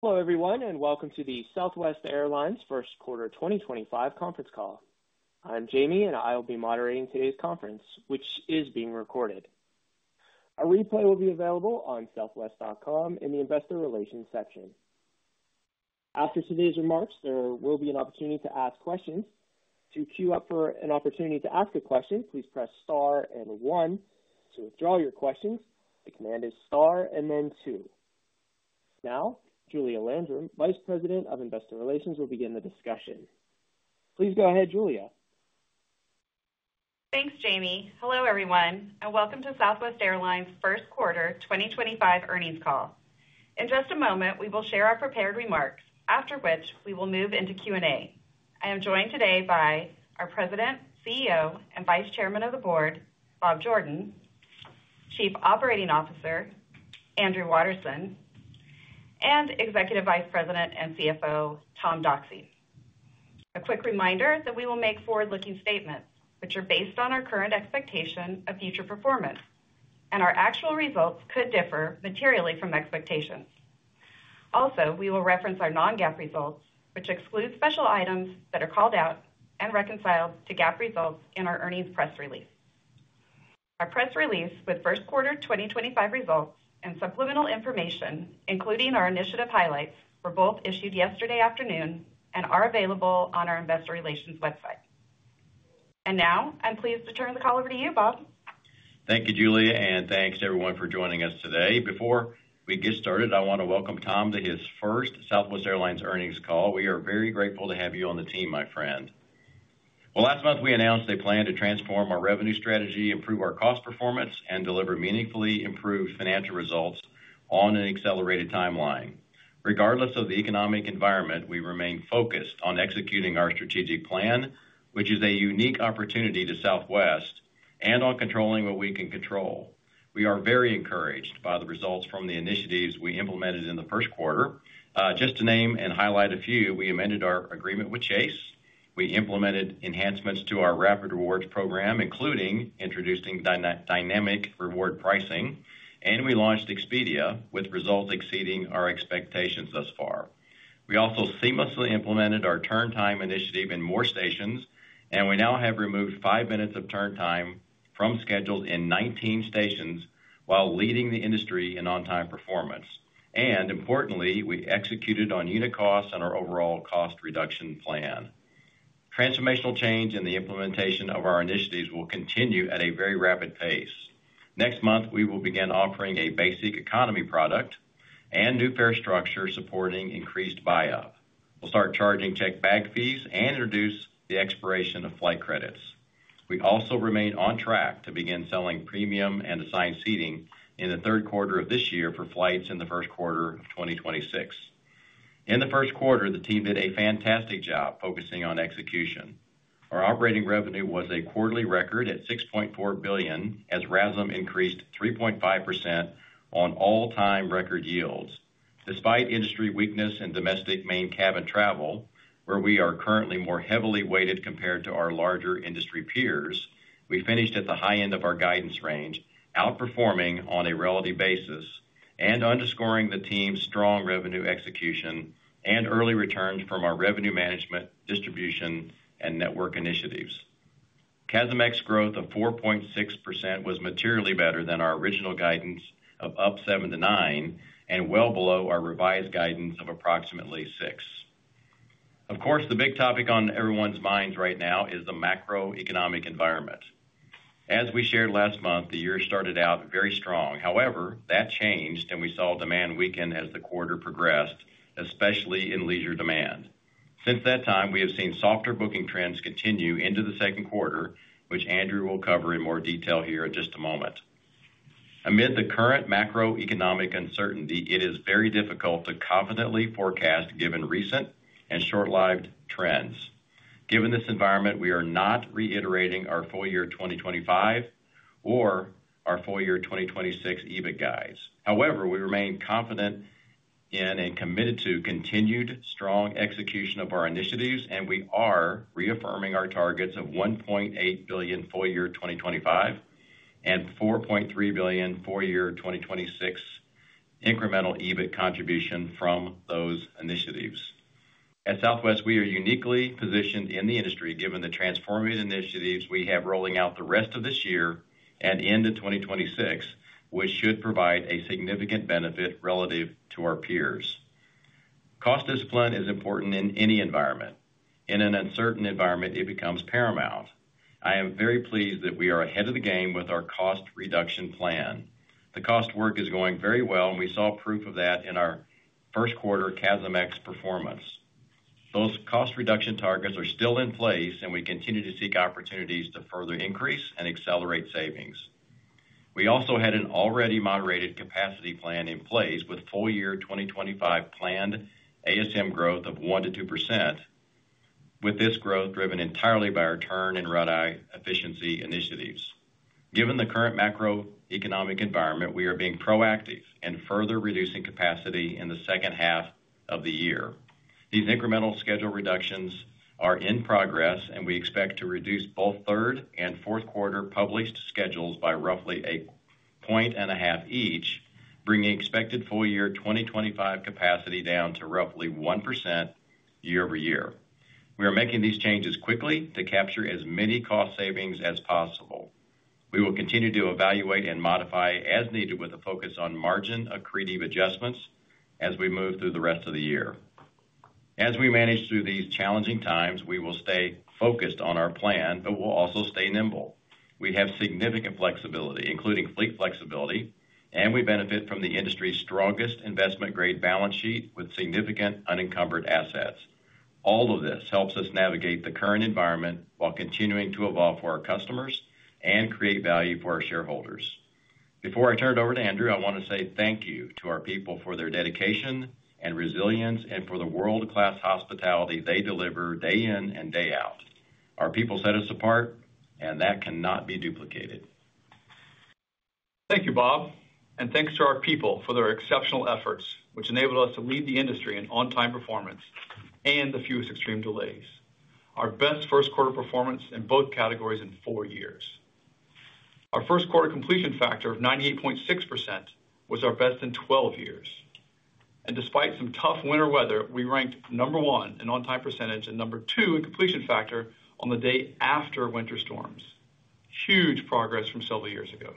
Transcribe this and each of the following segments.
Hello, everyone, and welcome to the Southwest Airlines First Quarter 2025 conference call. I'm Jamie, and I'll be moderating today's conference, which is being recorded. A replay will be available on southwest.com in the Investor Relations section. After today's remarks, there will be an opportunity to ask questions. To queue up for an opportunity to ask a question, please press Star and 1. To withdraw your questions, the command is star and then two. Now, Julia Landrum, Vice President of Investor Relations, will begin the discussion. Please go ahead, Julia. Thanks, Jamie. Hello, everyone, and welcome to Southwest Airlines First Quarter 2025 earnings call. In just a moment, we will share our prepared remarks, after which we will move into Q&A. I am joined today by our President, CEO, and Vice Chairman of the Board, Bob Jordan, Chief Operating Officer, Andrew Watterson, and Executive Vice President and CFO, Tom Doxey. A quick reminder that we will make forward-looking statements, which are based on our current expectation of future performance, and our actual results could differ materially from expectations. Also, we will reference our non-GAAP results, which exclude special items that are called out and reconciled to GAAP results in our earnings press release. Our press release with First Quarter 2025 results and supplemental information, including our initiative highlights, were both issued yesterday afternoon and are available on our Investor Relations website. I'm pleased to turn the call over to you, Bob. Thank you, Julia, and thanks, everyone, for joining us today. Before we get started, I want to welcome Tom to his first Southwest Airlines earnings call. We are very grateful to have you on the team, my friend. Last month, we announced a plan to transform our revenue strategy, improve our cost performance, and deliver meaningfully improved financial results on an accelerated timeline. Regardless of the economic environment, we remain focused on executing our strategic plan, which is a unique opportunity to Southwest, and on controlling what we can control. We are very encouraged by the results from the initiatives we implemented in the first quarter. Just to name and highlight a few, we amended our agreement with Chase. We implemented enhancements to our Rapid Rewards program, including introducing dynamic reward pricing, and we launched Expedia, with results exceeding our expectations thus far. We also seamlessly implemented our turn-time initiative in more stations, and we now have removed five minutes of turn-time from scheduled in 19 stations while leading the industry in on-time performance. Importantly, we executed on unit costs and our overall cost reduction plan. Transformational change in the implementation of our initiatives will continue at a very rapid pace. Next month, we will begin offering a Basic Economy product and new fare structure supporting increased buy-up. We'll start charging checked bag fees and introduce the expiration of flight credits. We also remain on track to begin selling premium and assigned seating in the third quarter of this year for flights in the first quarter of 2026. In the first quarter, the team did a fantastic job focusing on execution. Our operating revenue was a quarterly record at $6.4 billion, as RASM increased 3.5% on all-time record yields. Despite industry weakness in domestic main cabin travel, where we are currently more heavily weighted compared to our larger industry peers, we finished at the high end of our guidance range, outperforming on a relative basis and underscoring the team's strong revenue execution and early returns from our revenue management, distribution, and network initiatives. CASM growth of 4.6% was materially better than our original guidance of up 7%-9% and well below our revised guidance of approximately 6%. Of course, the big topic on everyone's minds right now is the macroeconomic environment. As we shared last month, the year started out very strong. However, that changed, and we saw demand weaken as the quarter progressed, especially in leisure demand. Since that time, we have seen softer booking trends continue into the second quarter, which Andrew will cover in more detail here in just a moment. Amid the current macroeconomic uncertainty, it is very difficult to confidently forecast given recent and short-lived trends. Given this environment, we are not reiterating our full year 2025 or our full year 2026 EBIT guides. However, we remain confident in and committed to continued strong execution of our initiatives, and we are reaffirming our targets of $1.8 billion full year 2025 and $4.3 billion full year 2026 incremental EBIT contribution from those initiatives. At Southwest, we are uniquely positioned in the industry given the transformative initiatives we have rolling out the rest of this year and into 2026, which should provide a significant benefit relative to our peers. Cost discipline is important in any environment. In an uncertain environment, it becomes paramount. I am very pleased that we are ahead of the game with our cost reduction plan. The cost work is going very well, and we saw proof of that in our first quarter CASM performance. Those cost reduction targets are still in place, and we continue to seek opportunities to further increase and accelerate savings. We also had an already moderated capacity plan in place with full year 2025 planned ASM growth of 1%-2%, with this growth driven entirely by our turn and run-out efficiency initiatives. Given the current macroeconomic environment, we are being proactive and further reducing capacity in the second half of the year. These incremental schedule reductions are in progress, and we expect to reduce both third and fourth quarter published schedules by roughly a point and a half each, bringing expected full year 2025 capacity down to roughly 1% year-over-year. We are making these changes quickly to capture as many cost savings as possible. We will continue to evaluate and modify as needed with a focus on margin accretive adjustments as we move through the rest of the year. As we manage through these challenging times, we will stay focused on our plan, but we'll also stay nimble. We have significant flexibility, including fleet flexibility, and we benefit from the industry's strongest investment-grade balance sheet with significant unencumbered assets. All of this helps us navigate the current environment while continuing to evolve for our customers and create value for our shareholders. Before I turn it over to Andrew, I want to say thank you to our people for their dedication and resilience and for the world-class hospitality they deliver day in and day out. Our people set us apart, and that cannot be duplicated. Thank you, Bob, and thanks to our people for their exceptional efforts, which enabled us to lead the industry in on-time performance and the fewest extreme delays. Our best first quarter performance in both categories in four years. Our first quarter completion factor of 98.6% was our best in 12 years. Despite some tough winter weather, we ranked number one in on-time percentage and number two in completion factor on the day after winter storms. Huge progress from several years ago.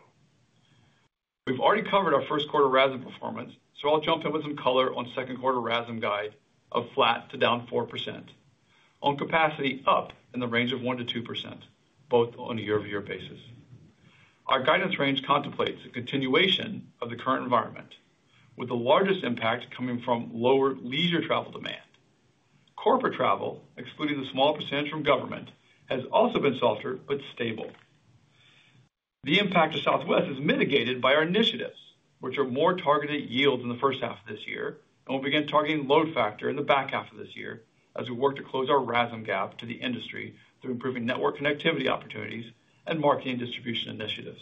We've already covered our first quarter RASM performance, so I'll jump in with some color on second quarter RASM guide of flat to down 4% on capacity up in the range of 1%-2%, both on a year-over-year basis. Our guidance range contemplates a continuation of the current environment, with the largest impact coming from lower leisure travel demand. Corporate travel, excluding the small percentage from government, has also been softer but stable. The impact to Southwest is mitigated by our initiatives, which are more targeted yields in the first half of this year, and we'll begin targeting load factor in the back half of this year as we work to close our RASM gap to the industry through improving network connectivity opportunities and marketing distribution initiatives.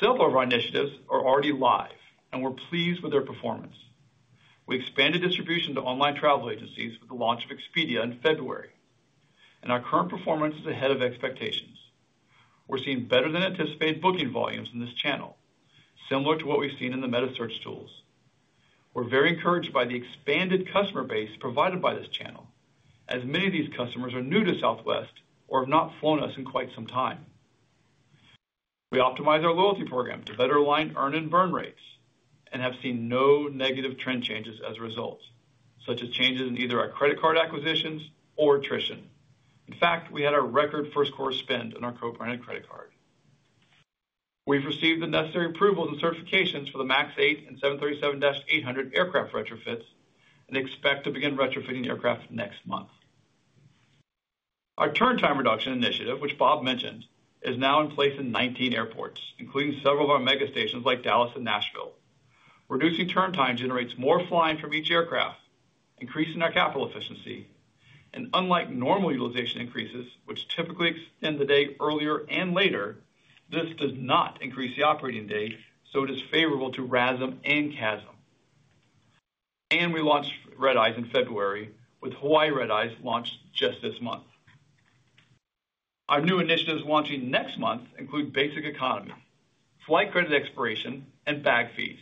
Several of our initiatives are already live, and we're pleased with their performance. We expanded distribution to online travel agencies with the launch of Expedia in February, and our current performance is ahead of expectations. We're seeing better-than-anticipated booking volumes in this channel, similar to what we've seen in the metasearch tools. We're very encouraged by the expanded customer base provided by this channel, as many of these customers are new to Southwest or have not flown us in quite some time. We optimize our loyalty program to better align earn and burn rates and have seen no negative trend changes as a result, such as changes in either our credit card acquisitions or attrition. In fact, we had a record first quarter spend on our co-branded credit card. We've received the necessary approvals and certifications for the MAX 8 and 737-800 aircraft retrofits and expect to begin retrofitting aircraft next month. Our turn-time reduction initiative, which Bob mentioned, is now in place in 19 airports, including several of our mega stations like Dallas and Nashville. Reducing turn-time generates more flying from each aircraft, increasing our capital efficiency, and unlike normal utilization increases, which typically extend the day earlier and later, this does not increase the operating day, so it is favorable to RASM and CASM. We launched red-eyes in February, with Hawaii red-eyes launched just this month. Our new initiatives launching next month include Basic Economy, flight credit expiration, and bag fees.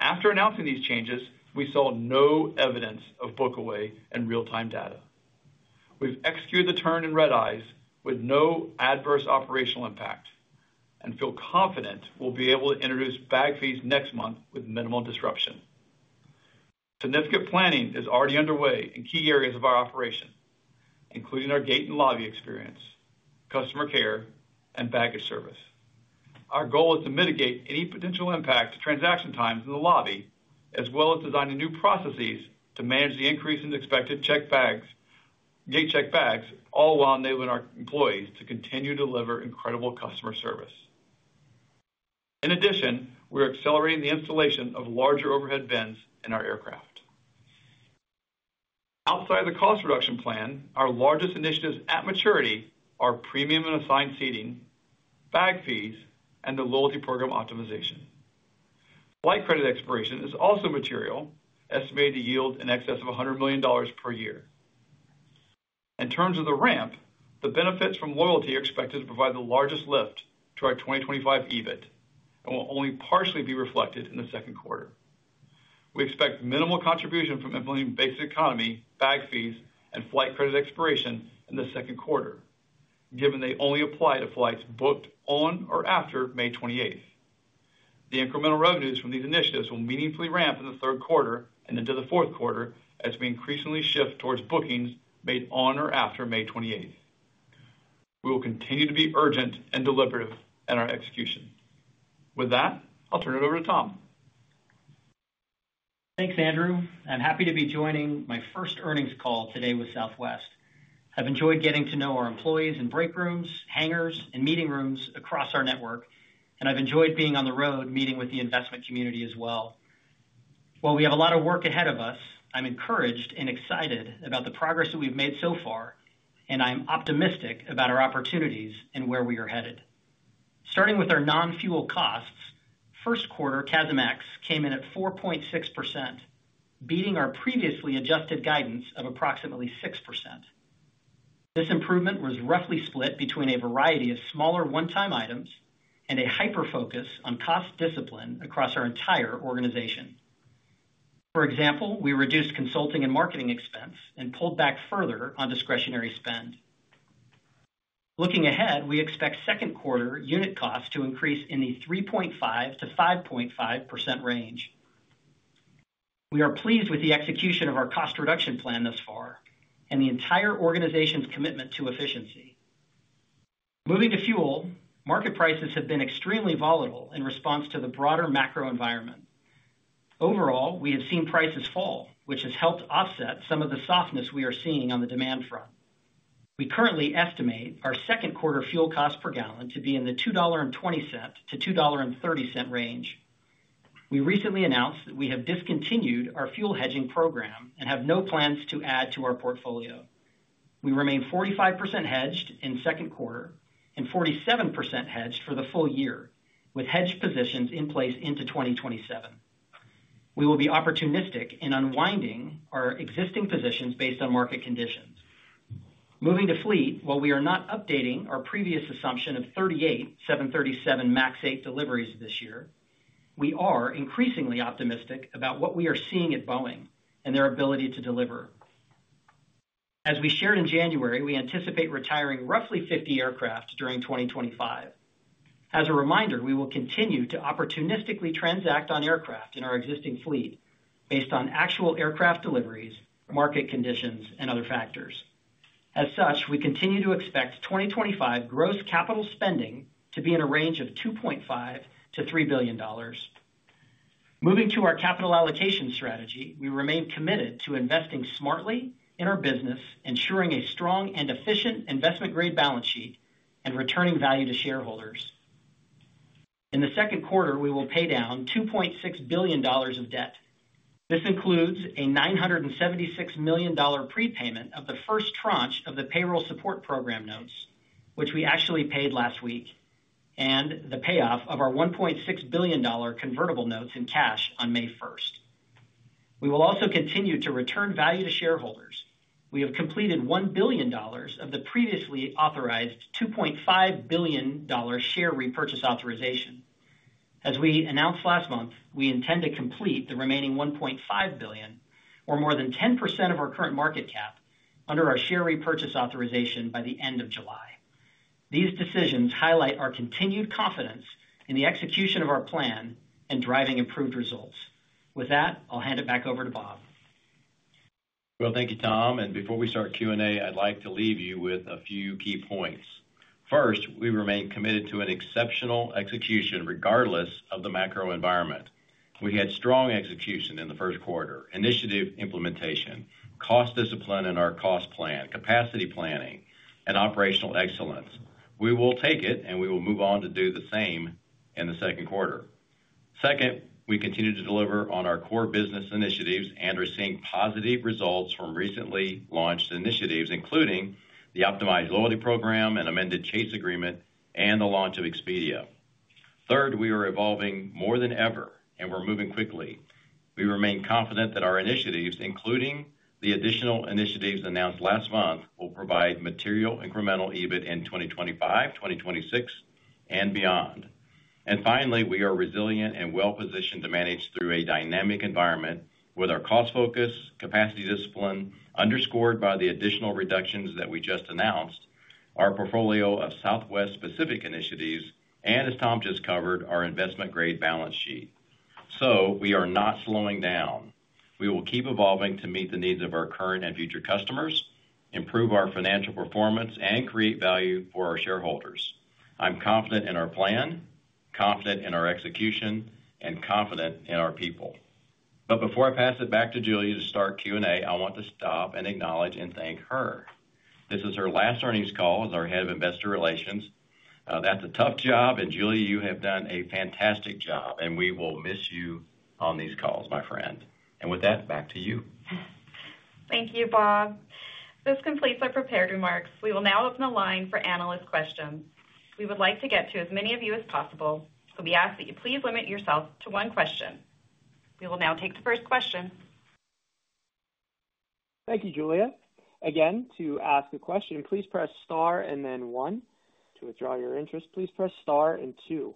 After announcing these changes, we saw no evidence of book away in real-time data. We have executed the turn in red-eyes with no adverse operational impact and feel confident we will be able to introduce bag fees next month with minimal disruption. Significant planning is already underway in key areas of our operation, including our gate and lobby experience, customer care, and baggage service. Our goal is to mitigate any potential impact to transaction times in the lobby, as well as designing new processes to manage the increase in expected gate checked bags, all while enabling our employees to continue to deliver incredible customer service. In addition, we're accelerating the installation of larger overhead bins in our aircraft. Outside of the cost reduction plan, our largest initiatives at maturity are premium and assigned seating, bag fees, and the loyalty program optimization. Flight credit expiration is also material, estimated to yield in excess of $100 million per year. In terms of the ramp, the benefits from loyalty are expected to provide the largest lift to our 2025 EBIT and will only partially be reflected in the second quarter. We expect minimal contribution from implementing Basic Economy, bag fees, and flight credit expiration in the second quarter, given they only apply to flights booked on or after May 28th. The incremental revenues from these initiatives will meaningfully ramp in the third quarter and into the fourth quarter as we increasingly shift towards bookings made on or after May 28th. We will continue to be urgent and deliberative in our execution. With that, I'll turn it over to Tom. Thanks, Andrew. I'm happy to be joining my first earnings call today with Southwest. I've enjoyed getting to know our employees in break rooms, hangars, and meeting rooms across our network, and I've enjoyed being on the road meeting with the investment community as well. While we have a lot of work ahead of us, I'm encouraged and excited about the progress that we've made so far, and I'm optimistic about our opportunities and where we are headed. Starting with our non-fuel costs, first quarter CASM ex came in at 4.6%, beating our previously adjusted guidance of approximately 6%. This improvement was roughly split between a variety of smaller one-time items and a hyper-focus on cost discipline across our entire organization. For example, we reduced consulting and marketing expense and pulled back further on discretionary spend. Looking ahead, we expect second quarter unit costs to increase in the 3.5%-5.5% range. We are pleased with the execution of our cost reduction plan thus far and the entire organization's commitment to efficiency. Moving to fuel, market prices have been extremely volatile in response to the broader macro environment. Overall, we have seen prices fall, which has helped offset some of the softness we are seeing on the demand front. We currently estimate our second quarter fuel cost per gallon to be in the $2.20-$2.30 range. We recently announced that we have discontinued our fuel hedging program and have no plans to add to our portfolio. We remain 45% hedged in second quarter and 47% hedged for the full year, with hedged positions in place into 2027. We will be opportunistic in unwinding our existing positions based on market conditions. Moving to fleet, while we are not updating our previous assumption of 38 737 MAX 8 deliveries this year, we are increasingly optimistic about what we are seeing at Boeing and their ability to deliver. As we shared in January, we anticipate retiring roughly 50 aircraft during 2025. As a reminder, we will continue to opportunistically transact on aircraft in our existing fleet based on actual aircraft deliveries, market conditions, and other factors. As such, we continue to expect 2025 gross capital spending to be in a range of $2.5 billion-$3 billion. Moving to our capital allocation strategy, we remain committed to investing smartly in our business, ensuring a strong and efficient investment-grade balance sheet and returning value to shareholders. In the second quarter, we will pay down $2.6 billion of debt. This includes a $976 million prepayment of the first tranche of the Payroll Support Program notes, which we actually paid last week, and the payoff of our $1.6 billion convertible notes in cash on May 1st. We will also continue to return value to shareholders. We have completed $1 billion of the previously authorized $2.5 billion share repurchase authorization. As we announced last month, we intend to complete the remaining $1.5 billion, or more than 10% of our current market cap, under our share repurchase authorization by the end of July. These decisions highlight our continued confidence in the execution of our plan and driving improved results. With that, I'll hand it back over to Bob. Thank you, Tom. Before we start Q&A, I'd like to leave you with a few key points. First, we remain committed to exceptional execution regardless of the macro environment. We had strong execution in the first quarter, initiative implementation, cost discipline in our cost plan, capacity planning, and operational excellence. We will take it, and we will move on to do the same in the second quarter. Second, we continue to deliver on our core business initiatives and are seeing positive results from recently launched initiatives, including the optimized loyalty program and amended Chase agreement and the launch of Expedia. Third, we are evolving more than ever, and we're moving quickly. We remain confident that our initiatives, including the additional initiatives announced last month, will provide material incremental EBIT in 2025, 2026, and beyond. Finally, we are resilient and well-positioned to manage through a dynamic environment with our cost focus, capacity discipline, underscored by the additional reductions that we just announced, our portfolio of Southwest-specific initiatives, and, as Tom just covered, our investment-grade balance sheet. We are not slowing down. We will keep evolving to meet the needs of our current and future customers, improve our financial performance, and create value for our shareholders. I'm confident in our plan, confident in our execution, and confident in our people. Before I pass it back to Julia to start Q&A, I want to stop and acknowledge and thank her. This is her last earnings call as our head of investor relations. That's a tough job, and Julia, you have done a fantastic job, and we will miss you on these calls, my friend. With that, back to you. Thank you, Bob. This completes our prepared remarks. We will now open the line for analyst questions. We would like to get to as many of you as possible, so we ask that you please limit yourself to one question. We will now take the first question. Thank you, Julia. Again, to ask a question, please press star and then one. To withdraw your interest, please press star and two.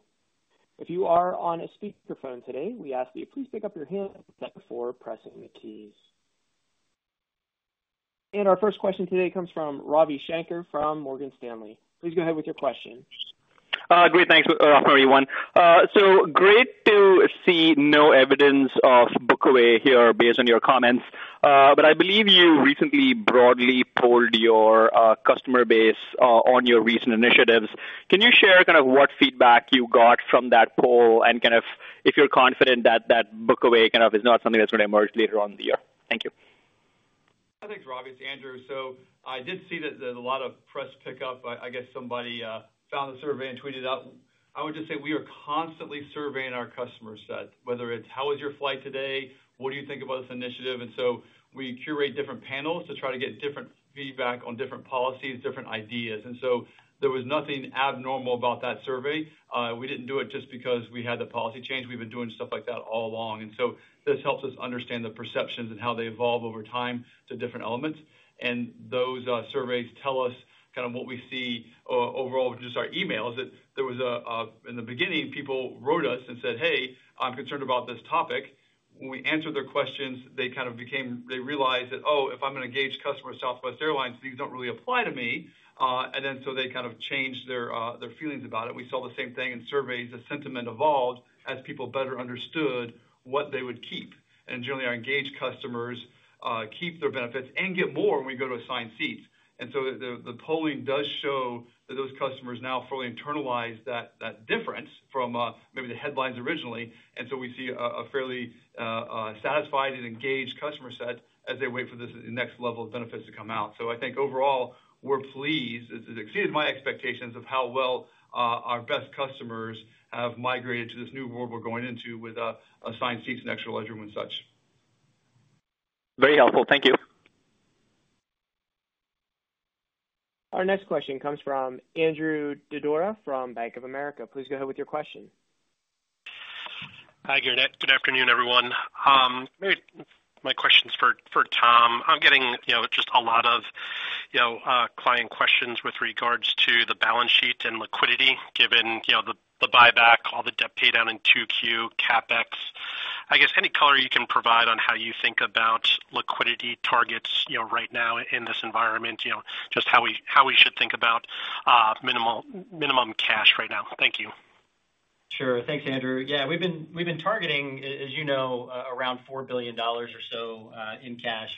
If you are on a speakerphone today, we ask that you please pick up your handset before pressing the keys. Our first question today comes from Ravi Shanker from Morgan Stanley. Please go ahead with your question. Great. Thanks, everyone. Great to see no evidence of book away here based on your comments. I believe you recently broadly polled your customer base on your recent initiatives. Can you share kind of what feedback you got from that poll and if you're confident that that book away is not something that's going to emerge later on in the year? Thank you. Thanks, Ravi. It's Andrew. I did see that there's a lot of press pickup. I guess somebody found the survey and tweeted it out. I would just say we are constantly surveying our customer set, whether it's, "How was your flight today? What do you think about this initiative?" We curate different panels to try to get different feedback on different policies, different ideas. There was nothing abnormal about that survey. We didn't do it just because we had the policy change. We've been doing stuff like that all along. This helps us understand the perceptions and how they evolve over time to different elements. Those surveys tell us kind of what we see overall with just our emails, that there was in the beginning, people wrote us and said, "Hey, I'm concerned about this topic." When we answered their questions, they kind of became they realized that, "Oh, if I'm going to engage customers at Southwest Airlines, these don't really apply to me." They kind of changed their feelings about it. We saw the same thing in surveys. The sentiment evolved as people better understood what they would keep. Generally, our engaged customers keep their benefits and get more when we go to assign seats. The polling does show that those customers now fully internalize that difference from maybe the headlines originally. We see a fairly satisfied and engaged customer set as they wait for this next level of benefits to come out. I think overall, we're pleased. It exceeded my expectations of how well our best customers have migrated to this new world we're going into with assigned seats and extra legroom and such. Very helpful. Thank you. Our next question comes from Andrew Didora from Bank of America. Please go ahead with your question. Hi, gentlemen. Good afternoon, everyone. My question's for Tom. I'm getting just a lot of client questions with regards to the balance sheet and liquidity given the buyback, all the debt pay down in Q2, CapEx. I guess any color you can provide on how you think about liquidity targets right now in this environment, just how we should think about minimum cash right now. Thank you. Sure. Thanks, Andrew. Yeah, we've been targeting, as you know, around $4 billion or so in cash.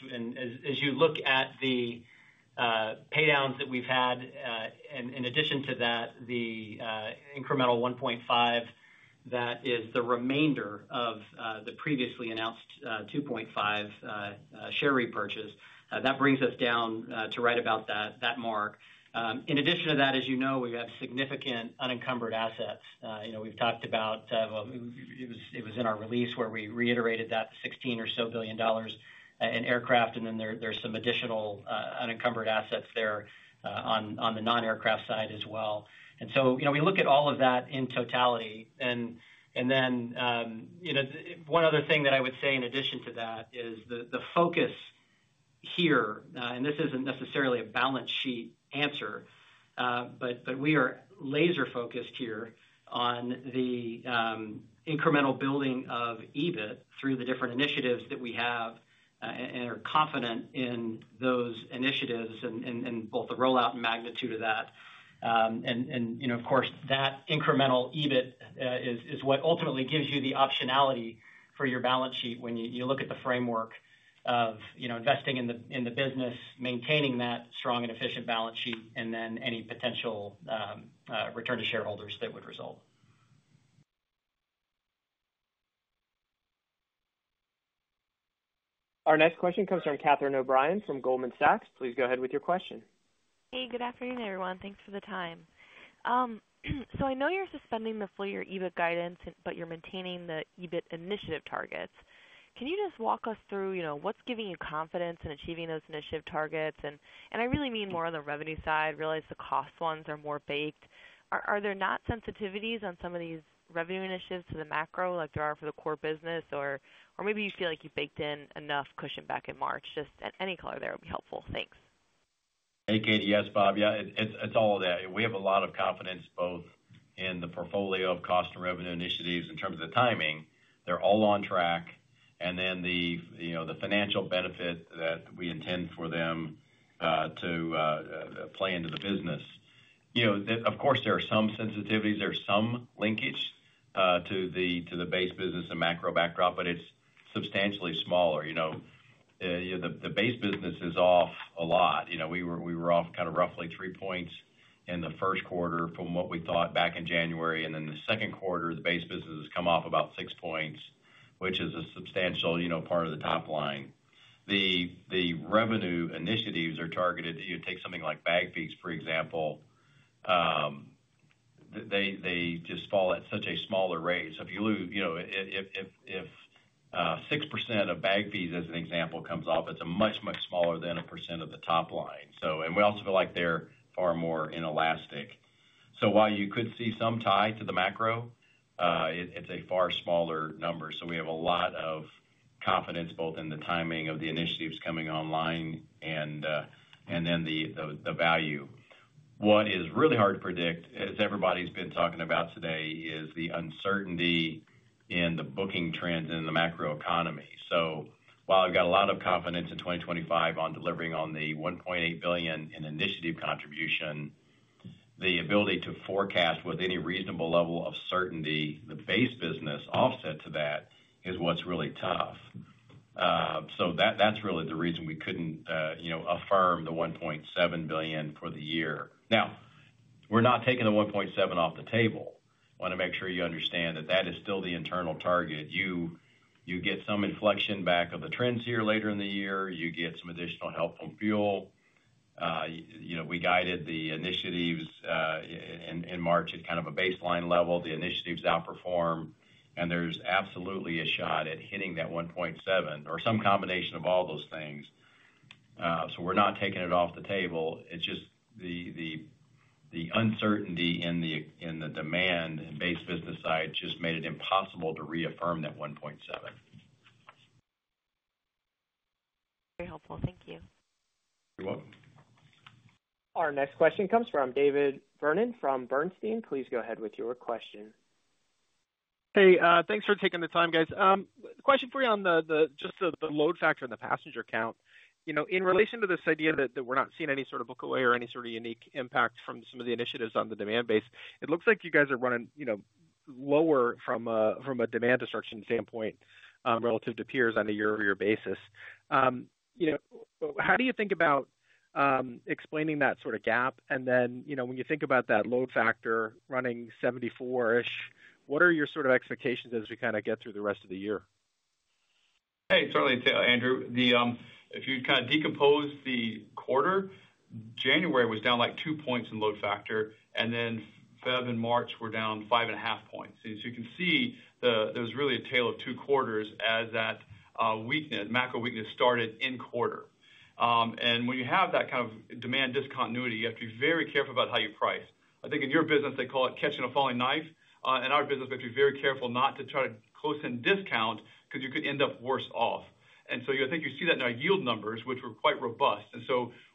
As you look at the paydowns that we've had, in addition to that, the incremental $1.5 billion, that is the remainder of the previously announced $2.5 billion share repurchase. That brings us down to right about that mark. In addition to that, as you know, we have significant unencumbered assets. We've talked about it was in our release where we reiterated that $16 billion or so in aircraft, and then there's some additional unencumbered assets there on the non-aircraft side as well. We look at all of that in totality. One other thing that I would say in addition to that is the focus here, and this is not necessarily a balance sheet answer, but we are laser-focused here on the incremental building of EBIT through the different initiatives that we have and are confident in those initiatives and both the rollout and magnitude of that. Of course, that incremental EBIT is what ultimately gives you the optionality for your balance sheet when you look at the framework of investing in the business, maintaining that strong and efficient balance sheet, and then any potential return to shareholders that would result. Our next question comes from Catherine O'Brien from Goldman Sachs. Please go ahead with your question. Hey, good afternoon, everyone. Thanks for the time. I know you're suspending the full year EBIT guidance, but you're maintaining the EBIT initiative targets. Can you just walk us through what's giving you confidence in achieving those initiative targets? I really mean more on the revenue side. Realize the cost ones are more baked. Are there not sensitivities on some of these revenue initiatives to the macro like there are for the core business? Maybe you feel like you baked in enough cushion back in March. Just any color there would be helpful. Thanks. Hey, Katie. Yes, Bob. Yeah, it's all there. We have a lot of confidence both in the portfolio of cost and revenue initiatives in terms of the timing. They're all on track. The financial benefit that we intend for them to play into the business is there. Of course, there are some sensitivities. There's some linkage to the base business and macro backdrop, but it's substantially smaller. The base business is off a lot. We were off kind of roughly three points in the first quarter from what we thought back in January. The second quarter, the base business has come off about six points, which is a substantial part of the top line. The revenue initiatives are targeted. You take something like bag fees, for example. They just fall at such a smaller rate. If you lose if 6% of bag fees, as an example, comes off, it's a much, much smaller than a percent of the top line. We also feel like they're far more inelastic. While you could see some tie to the macro, it's a far smaller number. We have a lot of confidence both in the timing of the initiatives coming online and then the value. What is really hard to predict, as everybody's been talking about today, is the uncertainty in the booking trends and the macro economy. While I've got a lot of confidence in 2025 on delivering on the $1.8 billion in initiative contribution, the ability to forecast with any reasonable level of certainty, the base business offset to that is what's really tough. That's really the reason we couldn't affirm the $1.7 billion for the year. Now, we're not taking the 1.7 off the table. I want to make sure you understand that that is still the internal target. You get some inflection back of the trends here later in the year. You get some additional help from fuel. We guided the initiatives in March at kind of a baseline level. The initiatives outperform, and there's absolutely a shot at hitting that 1.7 or some combination of all those things. We're not taking it off the table. It's just the uncertainty in the demand and base business side just made it impossible to reaffirm that 1.7. Very helpful. Thank you. You're welcome. Our next question comes from David Vernon from Bernstein. Please go ahead with your question. Hey, thanks for taking the time, guys. Question for you on just the load factor and the passenger count. In relation to this idea that we're not seeing any sort of book away or any sort of unique impact from some of the initiatives on the demand base, it looks like you guys are running lower from a demand destruction standpoint relative to peers on a year-over-year basis. How do you think about explaining that sort of gap? When you think about that load factor running 74-ish, what are your sort of expectations as we kind of get through the rest of the year? Hey, totally too, Andrew. If you kind of decompose the quarter, January was down like two points in load factor, and then February and March were down five and a half points. You can see there was really a tale of two quarters as that macro weakness started in quarter. When you have that kind of demand discontinuity, you have to be very careful about how you price. I think in your business, they call it catching a falling knife. In our business, we have to be very careful not to try to close in discount because you could end up worse off. I think you see that in our yield numbers, which were quite robust.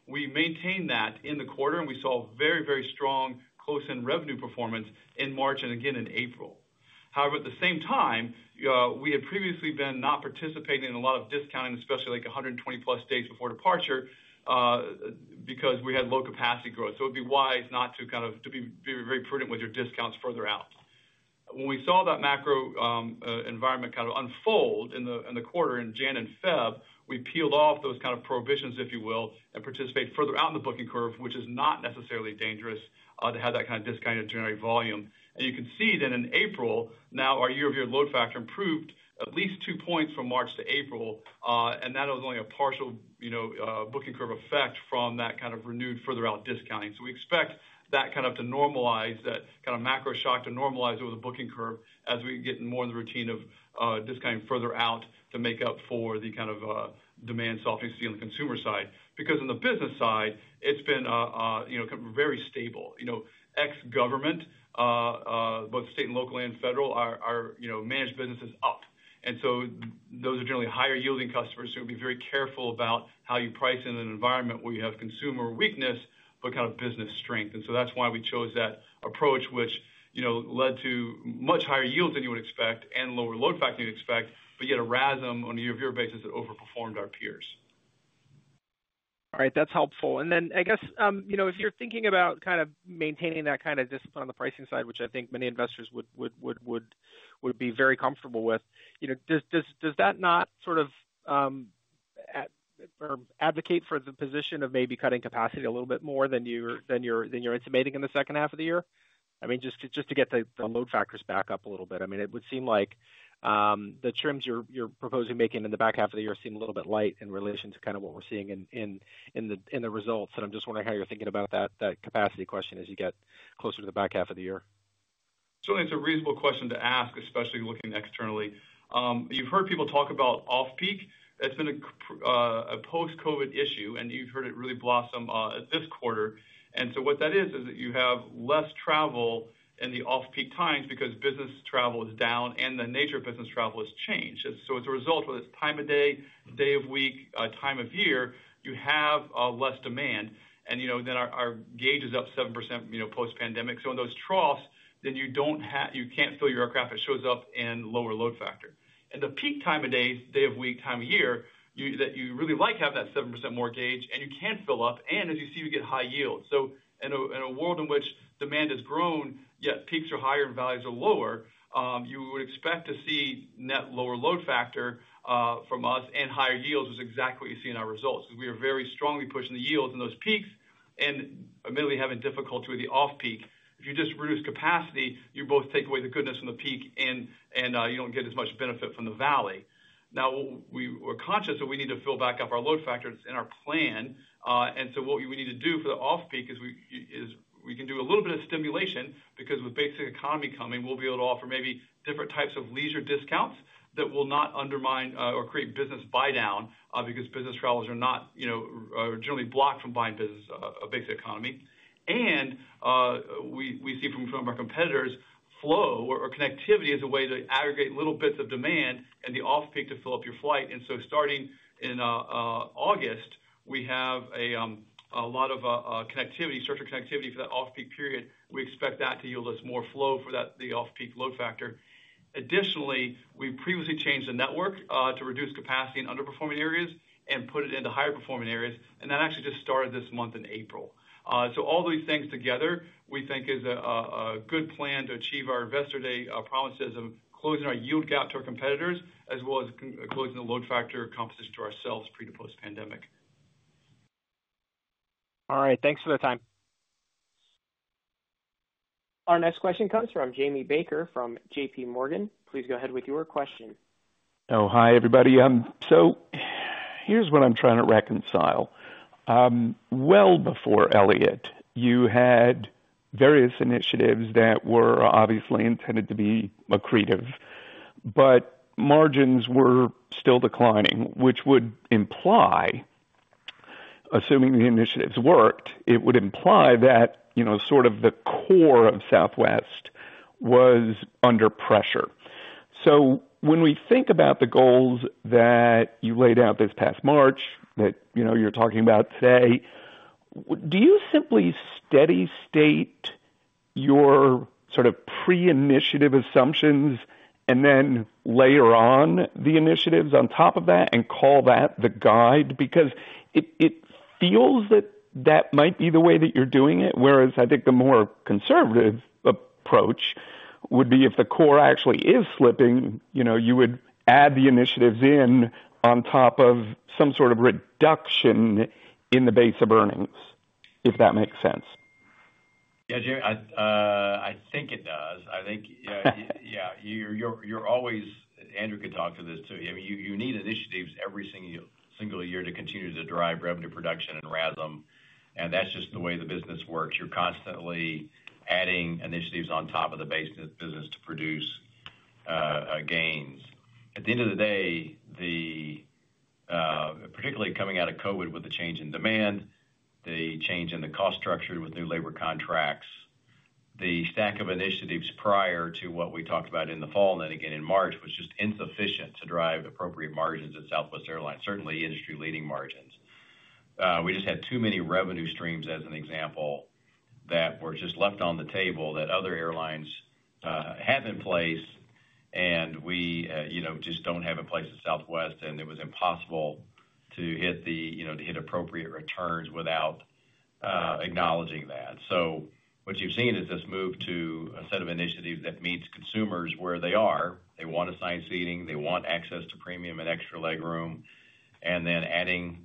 We maintained that in the quarter, and we saw very, very strong close-in revenue performance in March and again in April. However, at the same time, we had previously been not participating in a lot of discounting, especially like 120-plus days before departure because we had low capacity growth. It would be wise not to kind of be very prudent with your discounts further out. When we saw that macro environment kind of unfold in the quarter in January and February, we peeled off those kind of prohibitions, if you will, and participated further out in the booking curve, which is not necessarily dangerous to have that kind of discounted generic volume. You can see that in April, now our year-over-year load factor improved at least 2 percentage points from March to April, and that was only a partial booking curve effect from that kind of renewed further out discounting. We expect that kind of to normalize, that kind of macro shock to normalize over the booking curve as we get more in the routine of discounting further out to make up for the kind of demand softness you see on the consumer side. Because on the business side, it's been very stable. Ex-government, both state and local and federal, our managed business is up. Those are generally higher-yielding customers. We'd be very careful about how you price in an environment where you have consumer weakness but kind of business strength. That's why we chose that approach, which led to much higher yields than you would expect and lower load factor than you'd expect, but yet a RASM on a year-over-year basis that overperformed our peers. All right. That's helpful. If you're thinking about kind of maintaining that kind of discipline on the pricing side, which I think many investors would be very comfortable with, does that not sort of advocate for the position of maybe cutting capacity a little bit more than you're intimating in the second half of the year? I mean, just to get the load factors back up a little bit. It would seem like the trims you're proposing making in the back half of the year seem a little bit light in relation to kind of what we're seeing in the results. I'm just wondering how you're thinking about that capacity question as you get closer to the back half of the year. Certainly, it's a reasonable question to ask, especially looking externally. You've heard people talk about off-peak. It's been a post-COVID issue, and you've heard it really blossom this quarter. What that is, is that you have less travel in the off-peak times because business travel is down and the nature of business travel has changed. As a result, whether it's time of day, day of week, time of year, you have less demand. Our gauge is up 7% post-pandemic. In those troughs, you can't fill your aircraft. It shows up in lower load factor. In the peak time of day, day of week, time of year, you really have that 7% more gauge, and you can fill up. As you see, we get high yields. In a world in which demand has grown, yet peaks are higher and values are lower, you would expect to see net lower load factor from us and higher yields, which is exactly what you see in our results because we are very strongly pushing the yields in those peaks and admittedly having difficulty with the off-peak. If you just reduce capacity, you both take away the goodness from the peak, and you do not get as much benefit from the valley. Now, we are conscious that we need to fill back up our load factors in our plan. What we need to do for the off-peak is we can do a little bit of stimulation because with Basic Economy coming, we'll be able to offer maybe different types of leisure discounts that will not undermine or create business buy-down because business travelers are not generally blocked from buying Basic Economy. We see from our competitors, flow or connectivity as a way to aggregate little bits of demand in the off-peak to fill up your flight. Starting in August, we have a lot of structured connectivity for that off-peak period. We expect that to yield us more flow for the off-peak load factor. Additionally, we previously changed the network to reduce capacity in underperforming areas and put it into higher performing areas. That actually just started this month in April. All these things together, we think is a good plan to achieve our Investor Day promises of closing our yield gap to our competitors as well as closing the load factor composition to ourselves pre to post-pandemic. All right. Thanks for the time. Our next question comes from Jamie Baker from JPMorgan. Please go ahead with your question. Oh, hi, everybody. Here's what I'm trying to reconcile. Well before Elliott, you had various initiatives that were obviously intended to be accretive, but margins were still declining, which would imply, assuming the initiatives worked, it would imply that sort of the core of Southwest was under pressure. When we think about the goals that you laid out this past March that you're talking about today, do you simply steady state your sort of pre-initiative assumptions and then layer on the initiatives on top of that and call that the guide? Because it feels that that might be the way that you're doing it, whereas I think the more conservative approach would be if the core actually is slipping, you would add the initiatives in on top of some sort of reduction in the base of earnings, if that makes sense. Yeah, Jamie, I think it does. I think, yeah, Andrew could talk to this too. I mean, you need initiatives every single year to continue to drive revenue production and RASM. That's just the way the business works. You're constantly adding initiatives on top of the base business to produce gains. At the end of the day, particularly coming out of COVID with the change in demand, the change in the cost structure with new labor contracts, the stack of initiatives prior to what we talked about in the fall and then again in March was just insufficient to drive appropriate margins at Southwest Airlines, certainly industry-leading margins. We just had too many revenue streams, as an example, that were just left on the table that other airlines have in place, and we just do not have a place at Southwest, and it was impossible to hit appropriate returns without acknowledging that. What you have seen is this move to a set of initiatives that meets consumers where they are. They want assigned seating. They want access to premium and extra legroom, and then adding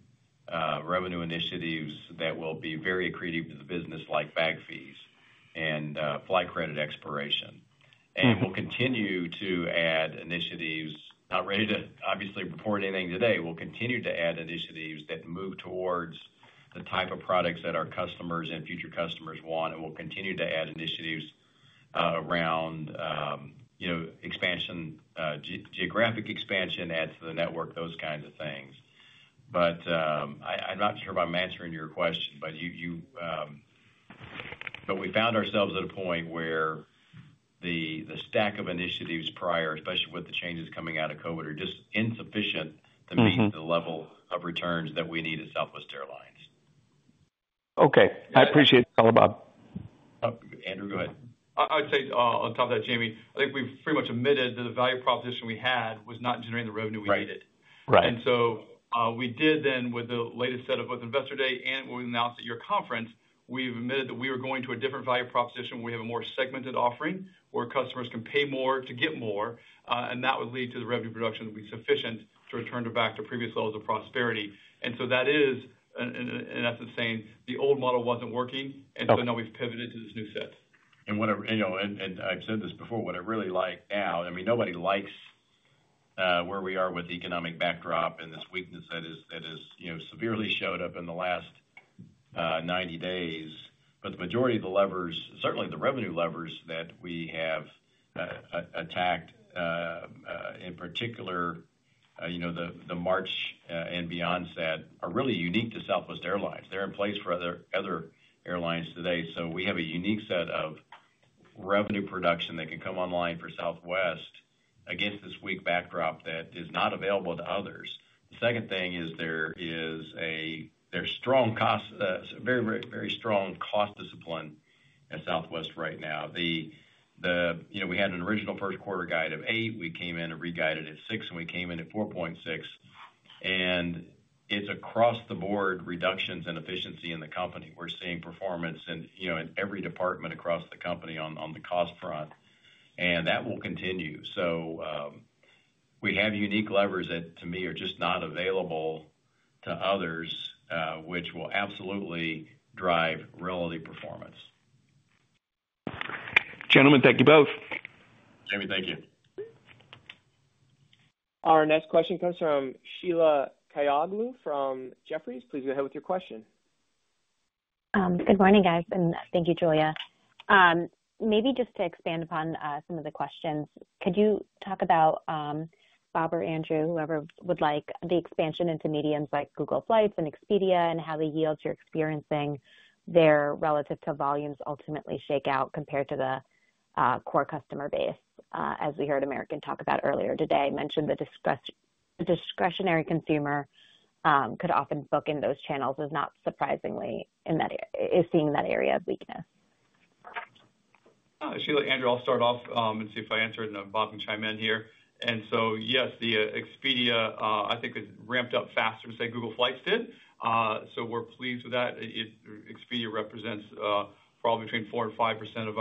revenue initiatives that will be very accretive to the business, like bag fees and flight credit expiration. We will continue to add initiatives. Not ready to obviously report anything today. We will continue to add initiatives that move towards the type of products that our customers and future customers want, and we will continue to add initiatives around geographic expansion, add to the network, those kinds of things. I'm not sure if I'm answering your question, but we found ourselves at a point where the stack of initiatives prior, especially with the changes coming out of COVID, are just insufficient to meet the level of returns that we need at Southwest Airlines. Okay. I appreciate the color Bob. Andrew, go ahead. I would say on top of that, Jamie, I think we've pretty much admitted that the value proposition we had was not generating the revenue we needed. We did then with the latest setup with Investor Day, and we announced at your conference, we've admitted that we were going to a different value proposition where we have a more segmented offering where customers can pay more to get more, and that would lead to the revenue production to be sufficient to return back to previous levels of prosperity. That is, in essence, saying the old model wasn't working, and now we've pivoted to this new set. I've said this before, what I really like now, I mean, nobody likes where we are with the economic backdrop and this weakness that has severely showed up in the last 90 days. The majority of the levers, certainly the revenue levers that we have attacked, in particular the March and beyond set, are really unique to Southwest Airlines. They're in place for other airlines today. We have a unique set of revenue production that can come online for Southwest against this weak backdrop that is not available to others. The second thing is there is a strong cost, very, very strong cost discipline at Southwest right now. We had an original first quarter guide of 8. We came in and re-guided at 6, and we came in at 4.6. It's across the board reductions in efficiency in the company. We're seeing performance in every department across the company on the cost front, and that will continue. We have unique levers that, to me, are just not available to others, which will absolutely drive reality performance. Gentlemen, thank you both. Jamie, thank you. Our next question comes from Sheila Kahyaoglu from Jefferies. Please go ahead with your question. Good morning, guys, and thank you, Julia. Maybe just to expand upon some of the questions, could you talk about, Bob or Andrew, whoever would like, the expansion into mediums like Google Flights and Expedia and how the yields you're experiencing there relative to volumes ultimately shake out compared to the core customer base? As we heard American talk about earlier today, I mentioned the discretionary consumer could often book in those channels is not surprisingly seeing that area of weakness. Sheila, Andrew, I'll start off and see if I answered, and then Bob can chime in here. Yes, the Expedia, I think, has ramped up faster than say Google Flights did. We are pleased with that. Expedia represents probably between 4% and 5% of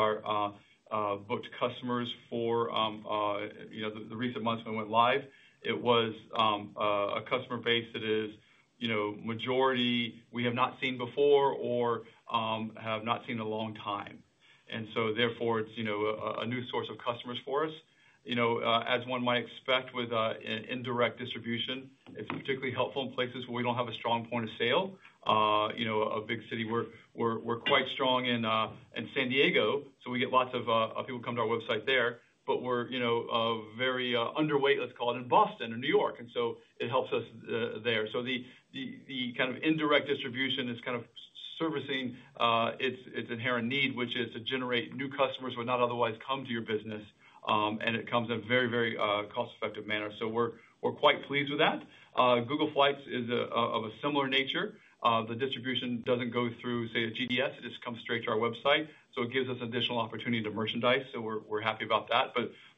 our booked customers for the recent months when we went live. It was a customer base that is majority we have not seen before or have not seen in a long time. Therefore, it is a new source of customers for us. As one might expect with indirect distribution, it is particularly helpful in places where we do not have a strong point of sale. A big city, we are quite strong in San Diego, so we get lots of people come to our website there, but we are very underweight, let's call it, in Boston or New York. It helps us there. The kind of indirect distribution is kind of servicing its inherent need, which is to generate new customers who have not otherwise come to your business, and it comes in a very, very cost-effective manner. We are quite pleased with that. Google Flights is of a similar nature. The distribution does not go through, say, a GDS. It just comes straight to our website. It gives us additional opportunity to merchandise. We are happy about that.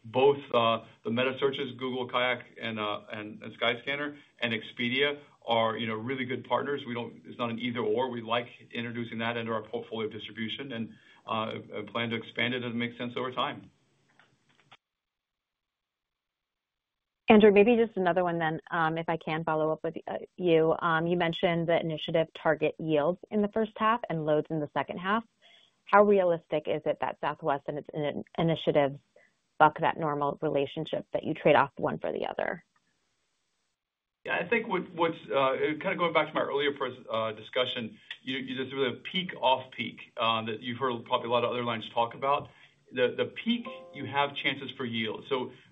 Both the metasearches, Google, Kayak, and Skyscanner, and Expedia are really good partners. It is not an either/or. We like introducing that into our portfolio distribution and plan to expand it as it makes sense over time. Andrew, maybe just another one then, if I can follow up with you. You mentioned the initiative target yields in the first half and loads in the second half. How realistic is it that Southwest and its initiatives buck that normal relationship that you trade off one for the other? Yeah, I think kind of going back to my earlier discussion, you just heard the peak-off-peak that you've heard probably a lot of other lines talk about. The peak, you have chances for yield.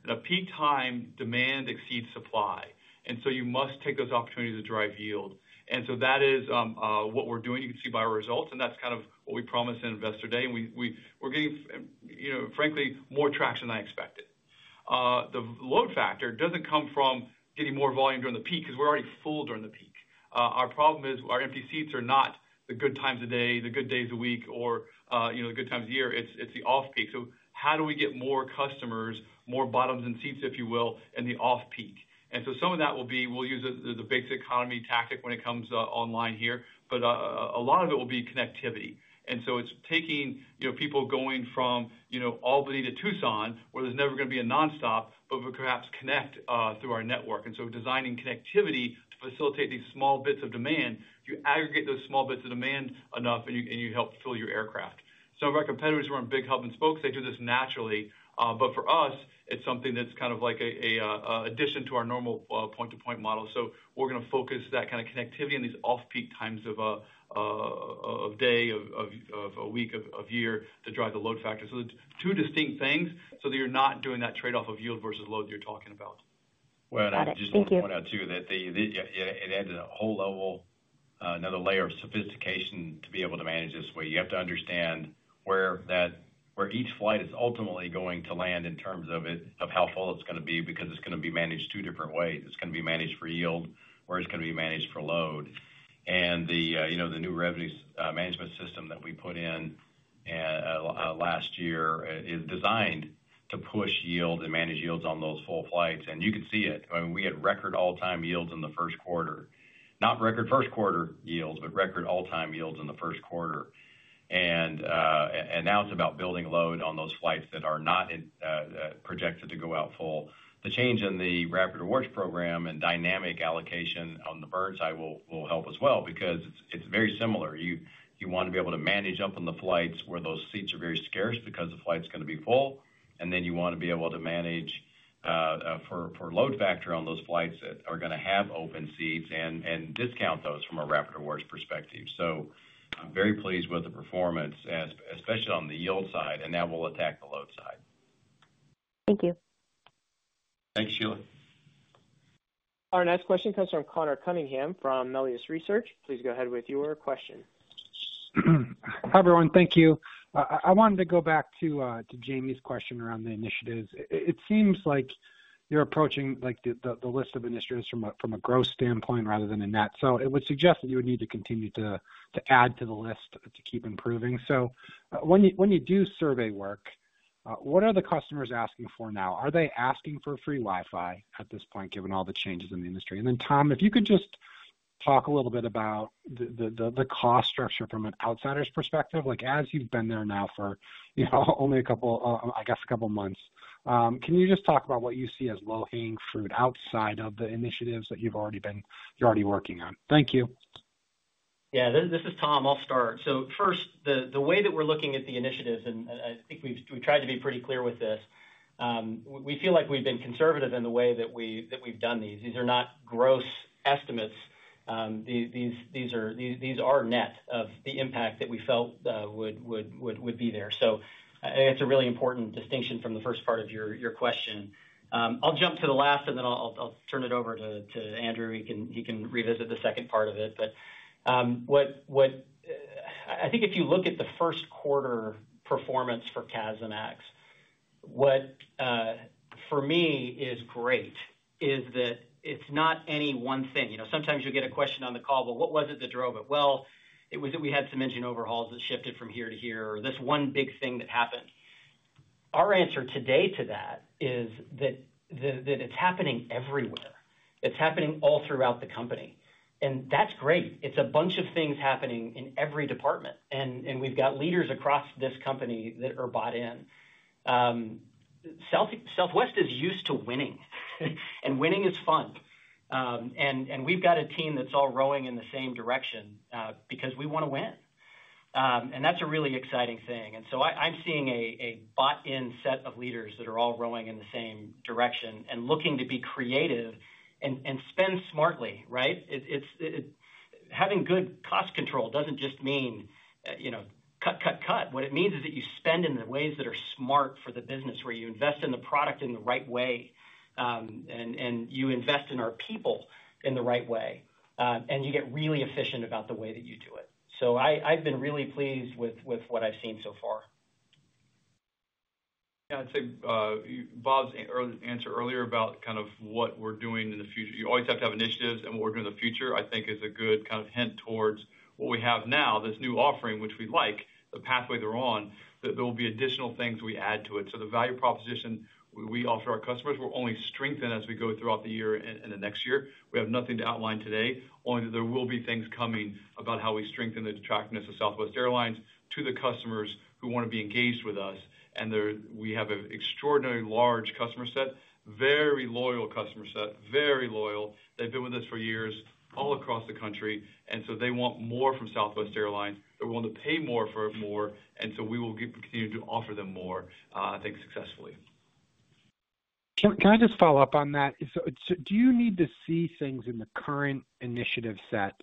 At a peak time, demand exceeds supply. You must take those opportunities to drive yield. That is what we're doing. You can see by our results, and that's kind of what we promised on Investor Day. We're getting, frankly, more traction than I expected. The load factor doesn't come from getting more volume during the peak because we're already full during the peak. Our problem is our empty seats are not the good times of day, the good days of the week, or the good times of year. It's the off-peak. How do we get more customers, more bottoms in seats, if you will, in the off-peak? Some of that will be we'll use the Basic Economy tactic when it comes online here, but a lot of it will be connectivity. It is taking people going from Albany to Tucson, where there's never going to be a nonstop, but we perhaps connect through our network. Designing connectivity to facilitate these small bits of demand, you aggregate those small bits of demand enough, and you help fill your aircraft. Some of our competitors are in big hub and spokes. They do this naturally. For us, it is something that's kind of like an addition to our normal point-to-point model. We are going to focus that kind of connectivity in these off-peak times of day, of week, of year to drive the load factor. Two distinct things so that you're not doing that trade-off of yield versus load that you're talking about. I just want to add too that it adds a whole level, another layer of sophistication to be able to manage this way. You have to understand where each flight is ultimately going to land in terms of how full it's going to be because it's going to be managed two different ways. It's going to be managed for yield, where it's going to be managed for load. The new revenue management system that we put in last year is designed to push yield and manage yields on those full flights. You can see it. I mean, we had record all-time yields in the first quarter. Not record first quarter yields, but record all-time yields in the first quarter. Now it's about building load on those flights that are not projected to go out full. The change in the Rapid Rewards program and dynamic allocation on the burn side will help as well because it's very similar. You want to be able to manage up on the flights where those seats are very scarce because the flight's going to be full. You want to be able to manage for load factor on those flights that are going to have open seats and discount those from a Rapid Rewards perspective. I'm very pleased with the performance, especially on the yield side, and that will attack the load side. Thank you. Thanks, Sheila. Our next question comes from Conor Cunningham from Melius Research. Please go ahead with your question. Hi, everyone. Thank you. I wanted to go back to Jamie's question around the initiatives. It seems like you're approaching the list of initiatives from a growth standpoint rather than a net. It would suggest that you would need to continue to add to the list to keep improving. When you do survey work, what are the customers asking for now? Are they asking for free Wi-Fi at this point, given all the changes in the industry? Tom, if you could just talk a little bit about the cost structure from an outsider's perspective. As you've been there now for only a couple, I guess, a couple of months, can you just talk about what you see as low-hanging fruit outside of the initiatives that you've already been working on? Thank you. Yeah, this is Tom. I'll start. First, the way that we're looking at the initiatives, and I think we've tried to be pretty clear with this, we feel like we've been conservative in the way that we've done these. These are not gross estimates. These are net of the impact that we felt would be there. I think that's a really important distinction from the first part of your question. I'll jump to the last, and then I'll turn it over to Andrew. He can revisit the second part of it. I think if you look at the first quarter performance for CASM and ASM, what for me is great is that it's not any one thing. Sometimes you'll get a question on the call, "Well, what was it that drove it?" It was that we had some engine overhauls that shifted from here to here, or this one big thing that happened. Our answer today to that is that it's happening everywhere. It's happening all throughout the company. That's great. It's a bunch of things happening in every department. We've got leaders across this company that are bought in. Southwest is used to winning, and winning is fun. We've got a team that's all rowing in the same direction because we want to win. That's a really exciting thing. I'm seeing a bought-in set of leaders that are all rowing in the same direction and looking to be creative and spend smartly, right? Having good cost control doesn't just mean cut, cut, cut. What it means is that you spend in the ways that are smart for the business, where you invest in the product in the right way, and you invest in our people in the right way, and you get really efficient about the way that you do it. I have been really pleased with what I have seen so far. Yeah, I'd say Bob's answer earlier about kind of what we're doing in the future. You always have to have initiatives, and what we're doing in the future, I think, is a good kind of hint towards what we have now, this new offering, which we like, the pathway they're on, that there will be additional things we add to it. The value proposition we offer our customers will only strengthen as we go throughout the year and the next year. We have nothing to outline today. Only that there will be things coming about how we strengthen the attractiveness of Southwest Airlines to the customers who want to be engaged with us. We have an extraordinarily large customer set, very loyal customer set, very loyal. They've been with us for years all across the country. They want more from Southwest Airlines. are willing to pay more for more. We will continue to offer them more, I think, successfully. Can I just follow up on that? Do you need to see things in the current initiative set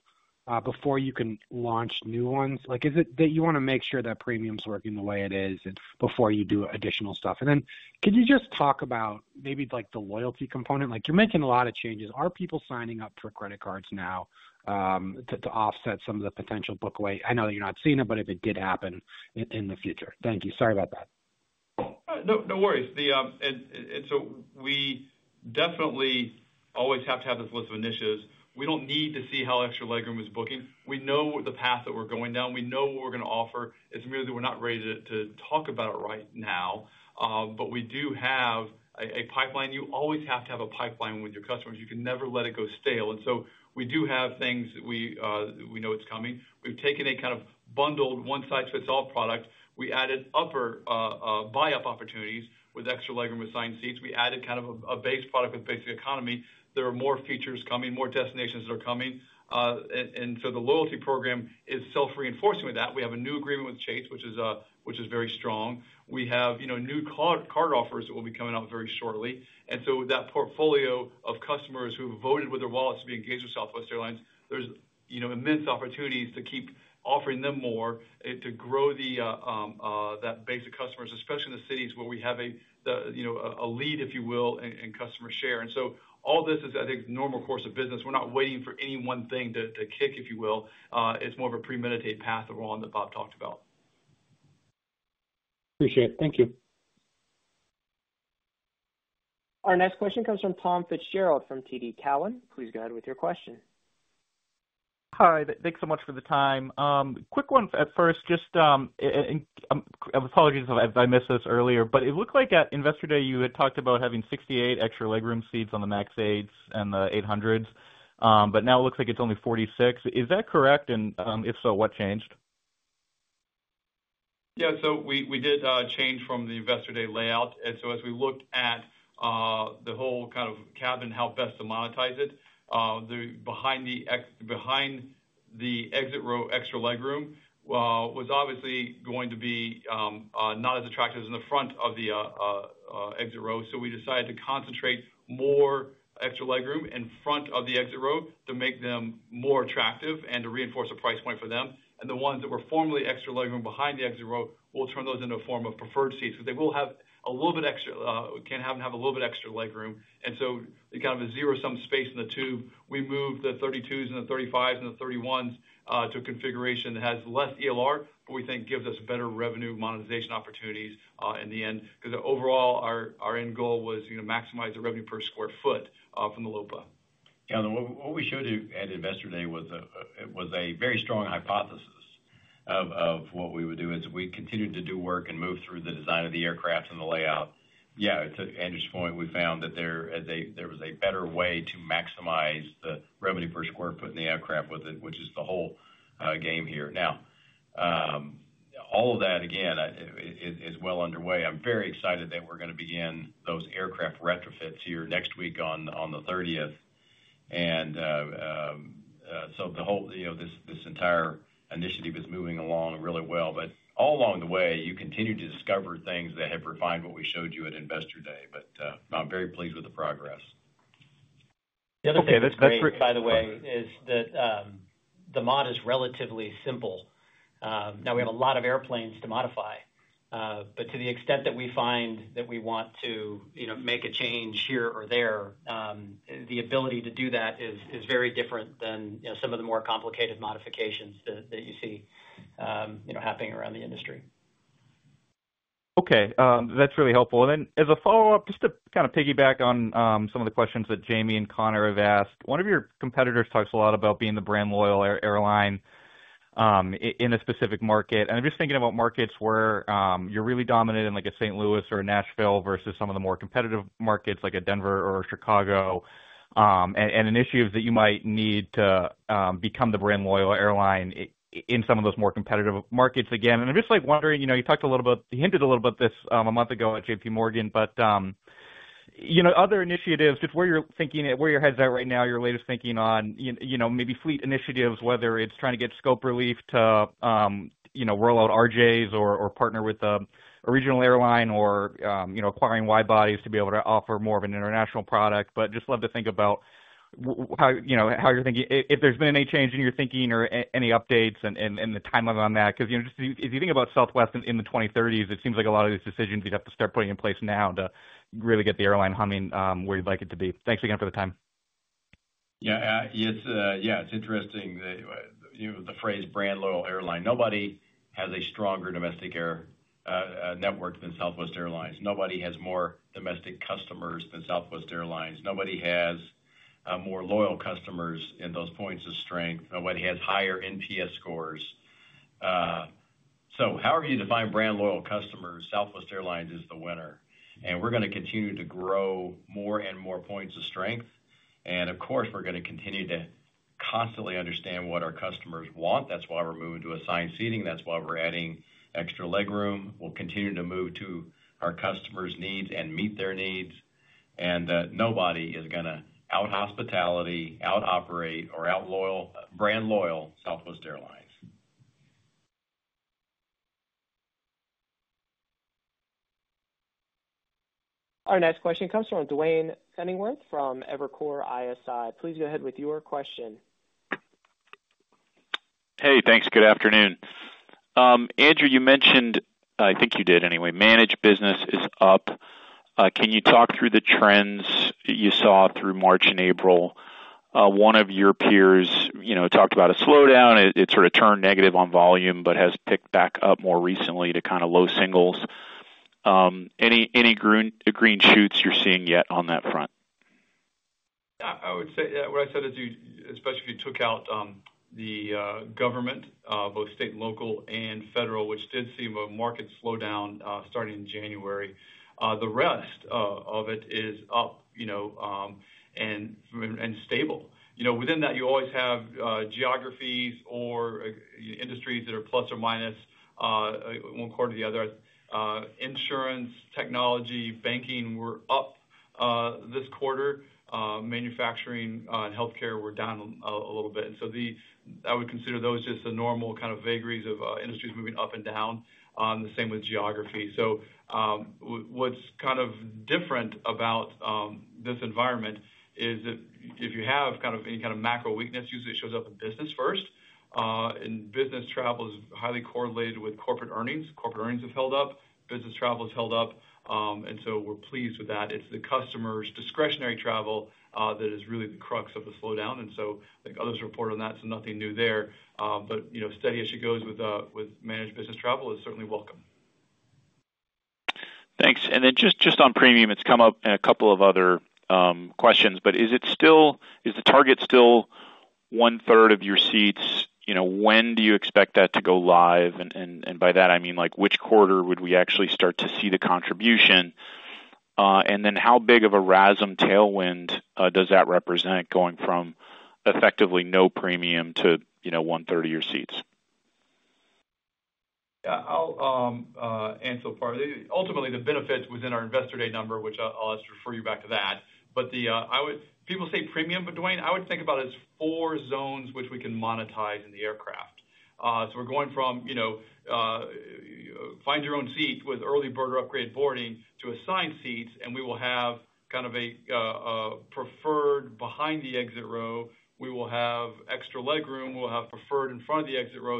before you can launch new ones? Is it that you want to make sure that premium's working the way it is before you do additional stuff? Could you just talk about maybe the loyalty component? You're making a lot of changes. Are people signing up for credit cards now to offset some of the potential book away? I know that you're not seeing it, but if it did happen in the future. Thank you. Sorry about that. No worries. We definitely always have to have this list of initiatives. We do not need to see how extra legroom is booking. We know the path that we are going down. We know what we are going to offer. It is merely we are not ready to talk about it right now. We do have a pipeline. You always have to have a pipeline with your customers. You can never let it go stale. We do have things that we know are coming. We have taken a kind of bundled one-size-fits-all product. We added upper buy-up opportunities with extra legroom assigned seats. We added kind of a base product with Basic Economy. There are more features coming, more destinations that are coming. The loyalty program is self-reinforcing with that. We have a new agreement with Chase, which is very strong. We have new card offers that will be coming out very shortly. That portfolio of customers who voted with their wallets to be engaged with Southwest Airlines, there are immense opportunities to keep offering them more to grow that base of customers, especially in the cities where we have a lead, if you will, in customer share. All this is, I think, normal course of business. We are not waiting for any one thing to kick, if you will. It is more of a premeditated path of all that Bob talked about. Appreciate it. Thank you. Our next question comes from Tom Fitzgerald from TD Cowen. Please go ahead with your question. Hi. Thanks so much for the time. Quick one at first. Just apologies if I missed this earlier, but it looked like at Investor Day you had talked about having 68 extra legroom seats on the MAX 8s and the 800s, but now it looks like it's only 46. Is that correct? If so, what changed? Yeah. We did change from the Investor Day layout. As we looked at the whole kind of cabin, how best to monetize it, behind the exit row extra legroom was obviously going to be not as attractive as in the front of the exit row. We decided to concentrate more extra legroom in front of the exit row to make them more attractive and to reinforce a price point for them. The ones that were formerly extra legroom behind the exit row, we'll turn those into a form of preferred seats because they will have a little bit extra, can have a little bit extra legroom. Kind of a zero-sum space in the tube, we moved the 32s and the 35s and the 31s to a configuration that has less ELR, but we think gives us better revenue monetization opportunities in the end because overall, our end goal was to maximize the revenue per square foot from the LOPA. Yeah. What we showed at Investor Day was a very strong hypothesis of what we would do as we continued to do work and move through the design of the aircraft and the layout. Yeah, to Andrew's point, we found that there was a better way to maximize the revenue per square foot in the aircraft with it, which is the whole game here. Now, all of that, again, is well underway. I'm very excited that we're going to begin those aircraft retrofits here next week on the 30th. This entire initiative is moving along really well. All along the way, you continue to discover things that have refined what we showed you at Investor Day. I'm very pleased with the progress. Yeah. The best part, by the way, is that the mod is relatively simple. Now, we have a lot of airplanes to modify. To the extent that we find that we want to make a change here or there, the ability to do that is very different than some of the more complicated modifications that you see happening around the industry. Okay. That's really helpful. As a follow-up, just to kind of piggyback on some of the questions that Jamie and Conor have asked, one of your competitors talks a lot about being the brand loyal airline in a specific market. I'm just thinking about markets where you're really dominant in a St. Louis or a Nashville versus some of the more competitive markets like a Denver or Chicago, an issue is that you might need to become the brand loyal airline in some of those more competitive markets again. I'm just wondering, you talked a little bit, you hinted a little bit about this a month ago at JPMorgan, other initiatives, just where you're thinking, where your head's at right now, your latest thinking on maybe fleet initiatives, whether it's trying to get scope relief to roll out RJs or partner with a regional airline or acquiring wide bodies to be able to offer more of an international product. Just love to think about how you're thinking. If there's been any change in your thinking or any updates and the timeline on that, because if you think about Southwest in the 2030s, it seems like a lot of these decisions you'd have to start putting in place now to really get the airline humming where you'd like it to be. Thanks again for the time. Yeah. Yeah. It's interesting that the phrase brand loyal airline. Nobody has a stronger domestic air network than Southwest Airlines. Nobody has more domestic customers than Southwest Airlines. Nobody has more loyal customers in those points of strength. Nobody has higher NPS scores. However you define brand loyal customers, Southwest Airlines is the winner. We're going to continue to grow more and more points of strength. Of course, we're going to continue to constantly understand what our customers want. That's why we're moving to assigned seating. That's why we're adding extra legroom. We'll continue to move to our customers' needs and meet their needs. Nobody is going to out-hospitality, out-operate, or out-brand loyal Southwest Airlines. Our next question comes from Duane Pfennigwerth from Evercore ISI. Please go ahead with your question. Hey, thanks. Good afternoon. Andrew, you mentioned, I think you did anyway, managed business is up. Can you talk through the trends you saw through March and April? One of your peers talked about a slowdown. It sort of turned negative on volume but has picked back up more recently to kind of low singles. Any green shoots you're seeing yet on that front? I would say what I said is, especially if you took out the government, both state and local and federal, which did see a marked slowdown starting in January. The rest of it is up and stable. Within that, you always have geographies or industries that are plus or minus one quarter to the other. Insurance, technology, banking were up this quarter. Manufacturing and healthcare were down a little bit. I would consider those just a normal kind of vagaries of industries moving up and down, the same with geography. What is kind of different about this environment is that if you have kind of any kind of macro weakness, usually it shows up in business first. Business travel is highly correlated with corporate earnings. Corporate earnings have held up. Business travel has held up. We are pleased with that. It's the customer's discretionary travel that is really the crux of the slowdown. I think others report on that. Nothing new there. Steady as she goes with managed business travel is certainly welcome. Thanks. Just on premium, it has come up in a couple of other questions. Is the target still one-third of your seats? When do you expect that to go live? By that, I mean which quarter would we actually start to see the contribution? How big of a RASM tailwind does that represent going from effectively no premium to one-third of your seats? Yeah. I'll answer part of it. Ultimately, the benefits within our Investor Day number, which I'll just refer you back to that. People say premium, but Duane, I would think about it as four zones which we can monetize in the aircraft. We are going from find your own seat with EarlyBird or upgrade boarding to assigned seats, and we will have kind of a preferred behind the exit row. We will have extra legroom. We'll have preferred in front of the exit row.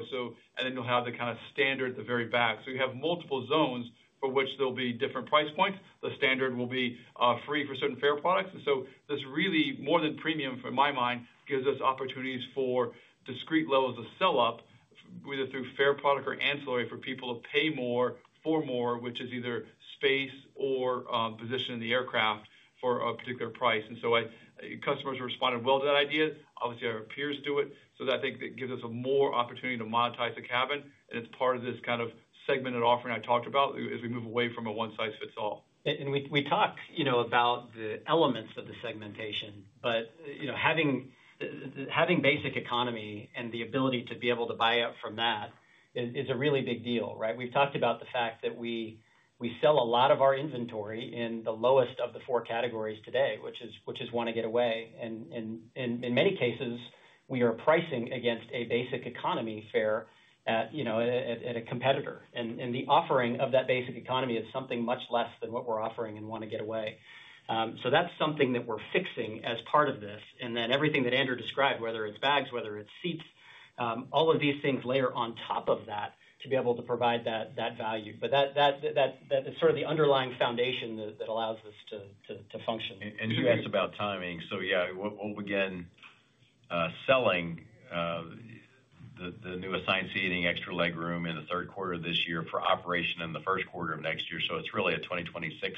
Then you'll have the kind of standard at the very back. You have multiple zones for which there'll be different price points. The standard will be free for certain fare products. This really, more than premium in my mind, gives us opportunities for discreet levels of sell-up either through fare product or ancillary for people to pay more for more, which is either space or position in the aircraft for a particular price. Customers responded well to that idea. Obviously, our peers do it. I think it gives us more opportunity to monetize the cabin. It is part of this kind of segmented offering I talked about as we move away from a one-size-fits-all. We talk about the elements of the segmentation, but having Basic Economy and the ability to be able to buy out from that is a really big deal, right? We've talked about the fact that we sell a lot of our inventory in the lowest of the four categories today, which is Wanna Get Away. In many cases, we are pricing against a Basic Economy fare at a competitor. The offering of that Basic Economy is something much less than what we're offering in Wanna Get Away. That is something that we're fixing as part of this. Everything that Andrew described, whether it's bags, whether it's seats, all of these things layer on top of that to be able to provide that value. That is sort of the underlying foundation that allows us to function. You asked about timing. Yeah, we'll begin selling the new assigned seating, extra legroom in the third quarter of this year for operation in the first quarter of next year. It is really a 2026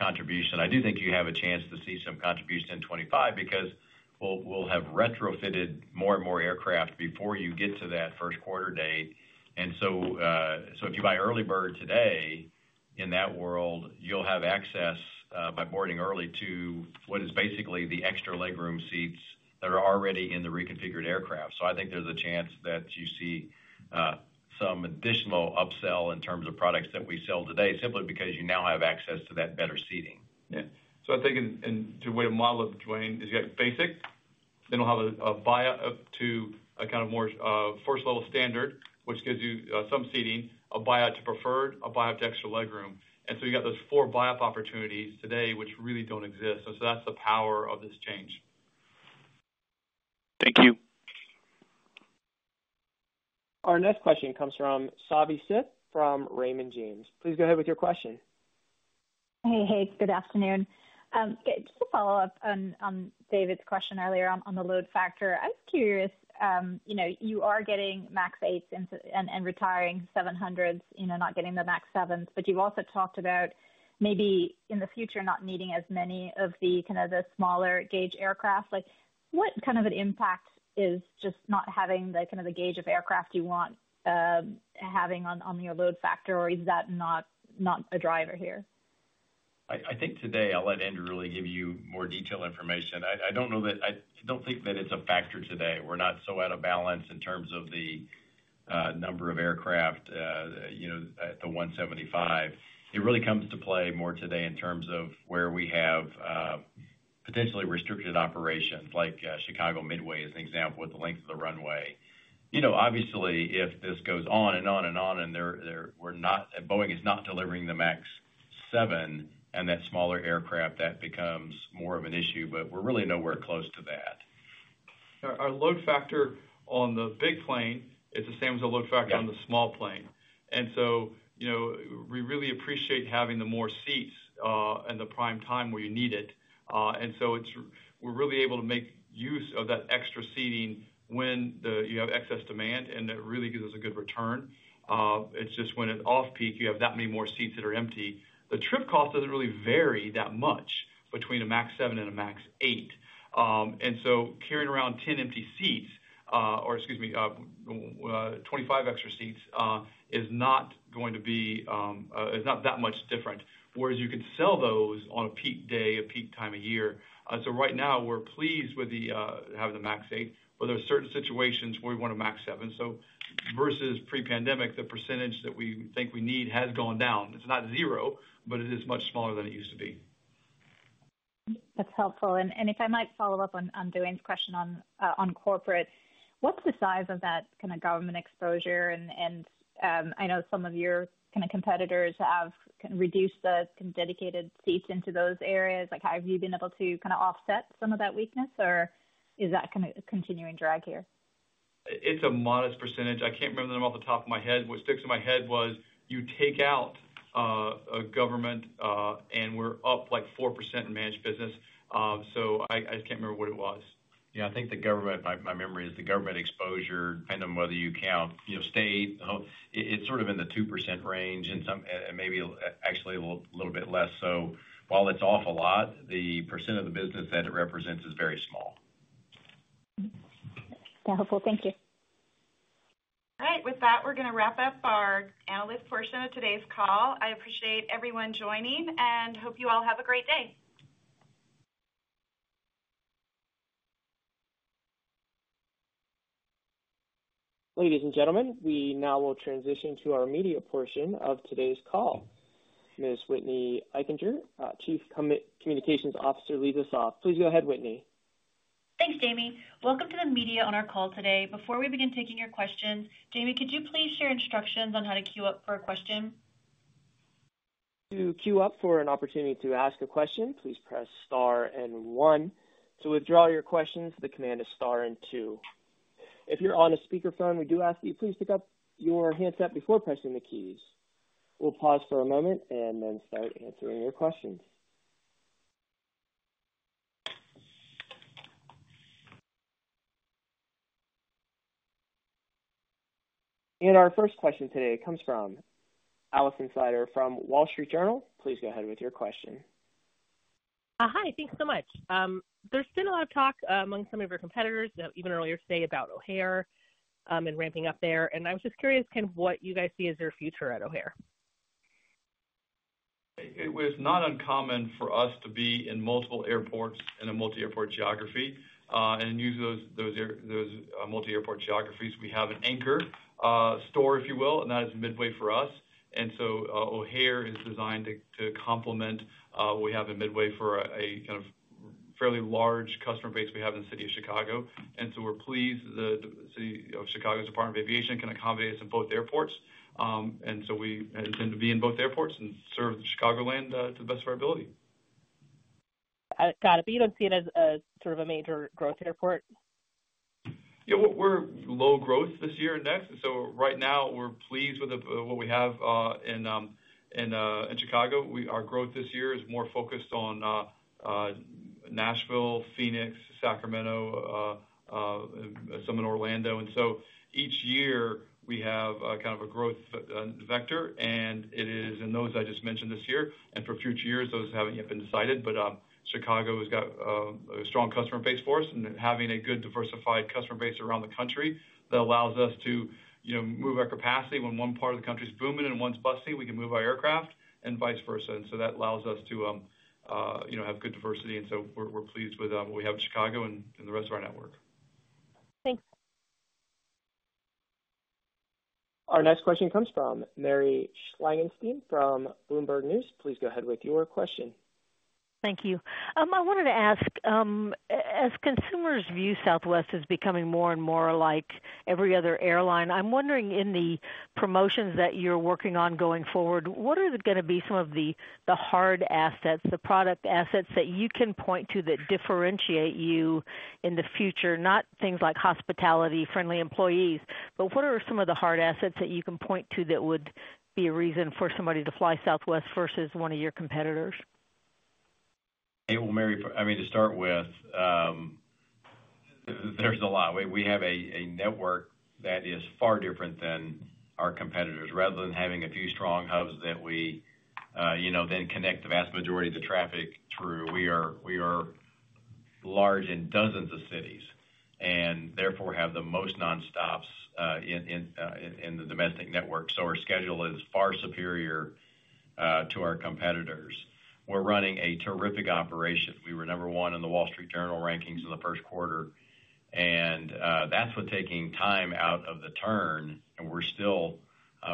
contribution. I do think you have a chance to see some contribution in 2025 because we'll have retrofitted more and more aircraft before you get to that first quarter date. If you buy EarlyBird today in that world, you'll have access by boarding early to what is basically the extra legroom seats that are already in the reconfigured aircraft. I think there's a chance that you see some additional upsell in terms of products that we sell today simply because you now have access to that better seating. Yeah. I think a way to model it, Duane, is you got basic, then we'll have a buy-up to a kind of more first-level standard, which gives you some seating, a buy-up to preferred, a buy-up to extra legroom. You got those four buy-up opportunities today, which really don't exist. That's the power of this change. Thank you. Our next question comes from Savi Syth from Raymond James. Please go ahead with your question. Hey, hey. Good afternoon. Just to follow up on David's question earlier on the load factor, I'm curious. You are getting Max 8s and retiring 700s, not getting the MAX 7s, but you've also talked about maybe in the future not needing as many of the kind of the smaller gauge aircraft. What kind of an impact is just not having the kind of the gauge of aircraft you want having on your load factor, or is that not a driver here? I think today I'll let Andrew really give you more detailed information. I don't know that I don't think that it's a factor today. We're not so out of balance in terms of the number of aircraft at the 175. It really comes to play more today in terms of where we have potentially restricted operations like Chicago Midway as an example with the length of the runway. Obviously, if this goes on and on and on and Boeing is not delivering the MAX 7 and that smaller aircraft, that becomes more of an issue, but we're really nowhere close to that. Our load factor on the big plane is the same as the load factor on the small plane. We really appreciate having the more seats in the prime time where you need it. We are really able to make use of that extra seating when you have excess demand, and it really gives us a good return. It is just when it is off-peak, you have that many more seats that are empty. The trip cost does not really vary that much between a MAX 7 and a MAX 8. Carrying around 10 empty seats or, excuse me, 25 extra seats is not that much different. You can sell those on a peak day, a peak time of year. Right now, we are pleased with having the MAX 8, but there are certain situations where we want a MAX 7. Versus pre-pandemic, the percentage that we think we need has gone down. It's not zero, but it is much smaller than it used to be. That's helpful. If I might follow up on Duane's question on corporate, what's the size of that kind of government exposure? I know some of your kind of competitors have reduced the dedicated seats into those areas. How have you been able to kind of offset some of that weakness, or is that kind of a continuing drag here? It's a modest percentage. I can't remember the number off the top of my head. What sticks in my head was you take out government, and we're up like 4% in managed business. I just can't remember what it was. Yeah. I think the government, my memory is the government exposure, depending on whether you count state, it's sort of in the 2% range and maybe actually a little bit less. So while it's off a lot, the % of the business that it represents is very small. Yeah. Helpful. Thank you. All right. With that, we're going to wrap up our analyst portion of today's call. I appreciate everyone joining and hope you all have a great day. Ladies and gentlemen, we now will transition to our media portion of today's call. Ms. Whitney Eichinger, Chief Communications Officer, leads us off. Please go ahead, Whitney. Thanks, Jamie. Welcome to the media on our call today. Before we begin taking your questions, Jamie, could you please share instructions on how to queue up for a question? To queue up for an opportunity to ask a question, please press star and one. To withdraw your questions, the command is star and two. If you're on a speakerphone, we do ask that you please pick up your handset before pressing the keys. We'll pause for a moment and then start answering your questions. Our first question today comes from Alison Sider from Wall Street Journal. Please go ahead with your question. Hi. Thanks so much. There's been a lot of talk among some of your competitors, even earlier today, about O'Hare and ramping up there. I was just curious kind of what you guys see as your future at O'Hare. It was not uncommon for us to be in multiple airports and a multi-airport geography and use those multi-airport geographies. We have an anchor store, if you will, and that is Midway for us. O'Hare is designed to complement what we have in Midway for a kind of fairly large customer base we have in the city of Chicago. We are pleased that the City of Chicago's Department of Aviation can accommodate us in both airports. We intend to be in both airports and serve the Chicagoland to the best of our ability. Got it. You don't see it as sort of a major growth airport? Yeah. We're low growth this year and next. Right now, we're pleased with what we have in Chicago. Our growth this year is more focused on Nashville, Phoenix, Sacramento, some in Orlando. Each year, we have kind of a growth vector, and it is in those I just mentioned this year. For future years, those haven't yet been decided. Chicago has got a strong customer base for us. Having a good diversified customer base around the country that allows us to move our capacity when one part of the country is booming and one's busting, we can move our aircraft and vice versa. That allows us to have good diversity. We're pleased with what we have in Chicago and the rest of our network. Thanks. Our next question comes from Mary Schlangenstein from Bloomberg News. Please go ahead with your question. Thank you. I wanted to ask, as consumers view Southwest as becoming more and more like every other airline, I'm wondering in the promotions that you're working on going forward, what are going to be some of the hard assets, the product assets that you can point to that differentiate you in the future? Not things like hospitality, friendly employees, but what are some of the hard assets that you can point to that would be a reason for somebody to fly Southwest versus one of your competitors? I mean, to start with, there's a lot. We have a network that is far different than our competitors. Rather than having a few strong hubs that we then connect the vast majority of the traffic through, we are large in dozens of cities and therefore have the most nonstops in the domestic network. Our schedule is far superior to our competitors. We're running a terrific operation. We were number one in the Wall Street Journal rankings in the first quarter. That's what's taking time out of the turn. We're still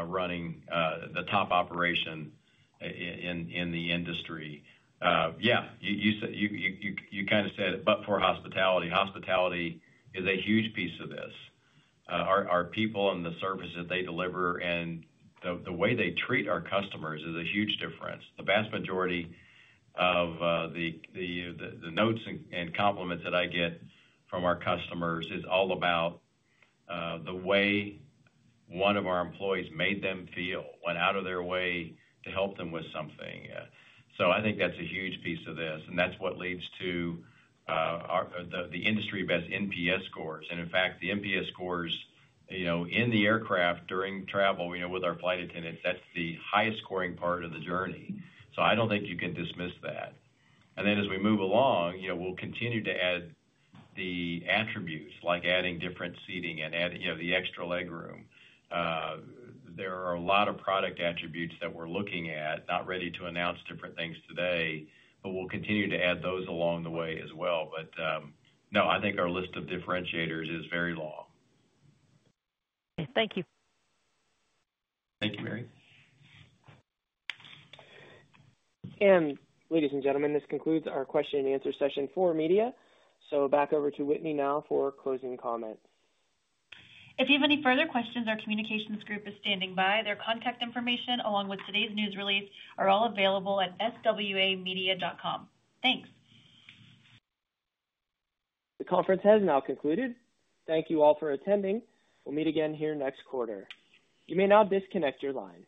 running the top operation in the industry. Yeah. You kind of said it, but for hospitality. Hospitality is a huge piece of this. Our people and the service that they deliver and the way they treat our customers is a huge difference. The vast majority of the notes and compliments that I get from our customers is all about the way one of our employees made them feel, went out of their way to help them with something. I think that's a huge piece of this. That's what leads to the industry-best NPS scores. In fact, the NPS scores in the aircraft during travel with our flight attendants, that's the highest scoring part of the journey. I don't think you can dismiss that. As we move along, we'll continue to add the attributes like adding different seating and adding the extra legroom. There are a lot of product attributes that we're looking at, not ready to announce different things today, but we'll continue to add those along the way as well. No, I think our list of differentiators is very long. Thank you. Thank you, Mary. Ladies and gentlemen, this concludes our question-and-answer session for media. Back over to Whitney now for closing comments. If you have any further questions, our communications group is standing by. Their contact information along with today's news release are all available at swamedia.com. Thanks. The conference has now concluded. Thank you all for attending. We'll meet again here next quarter. You may now disconnect your line.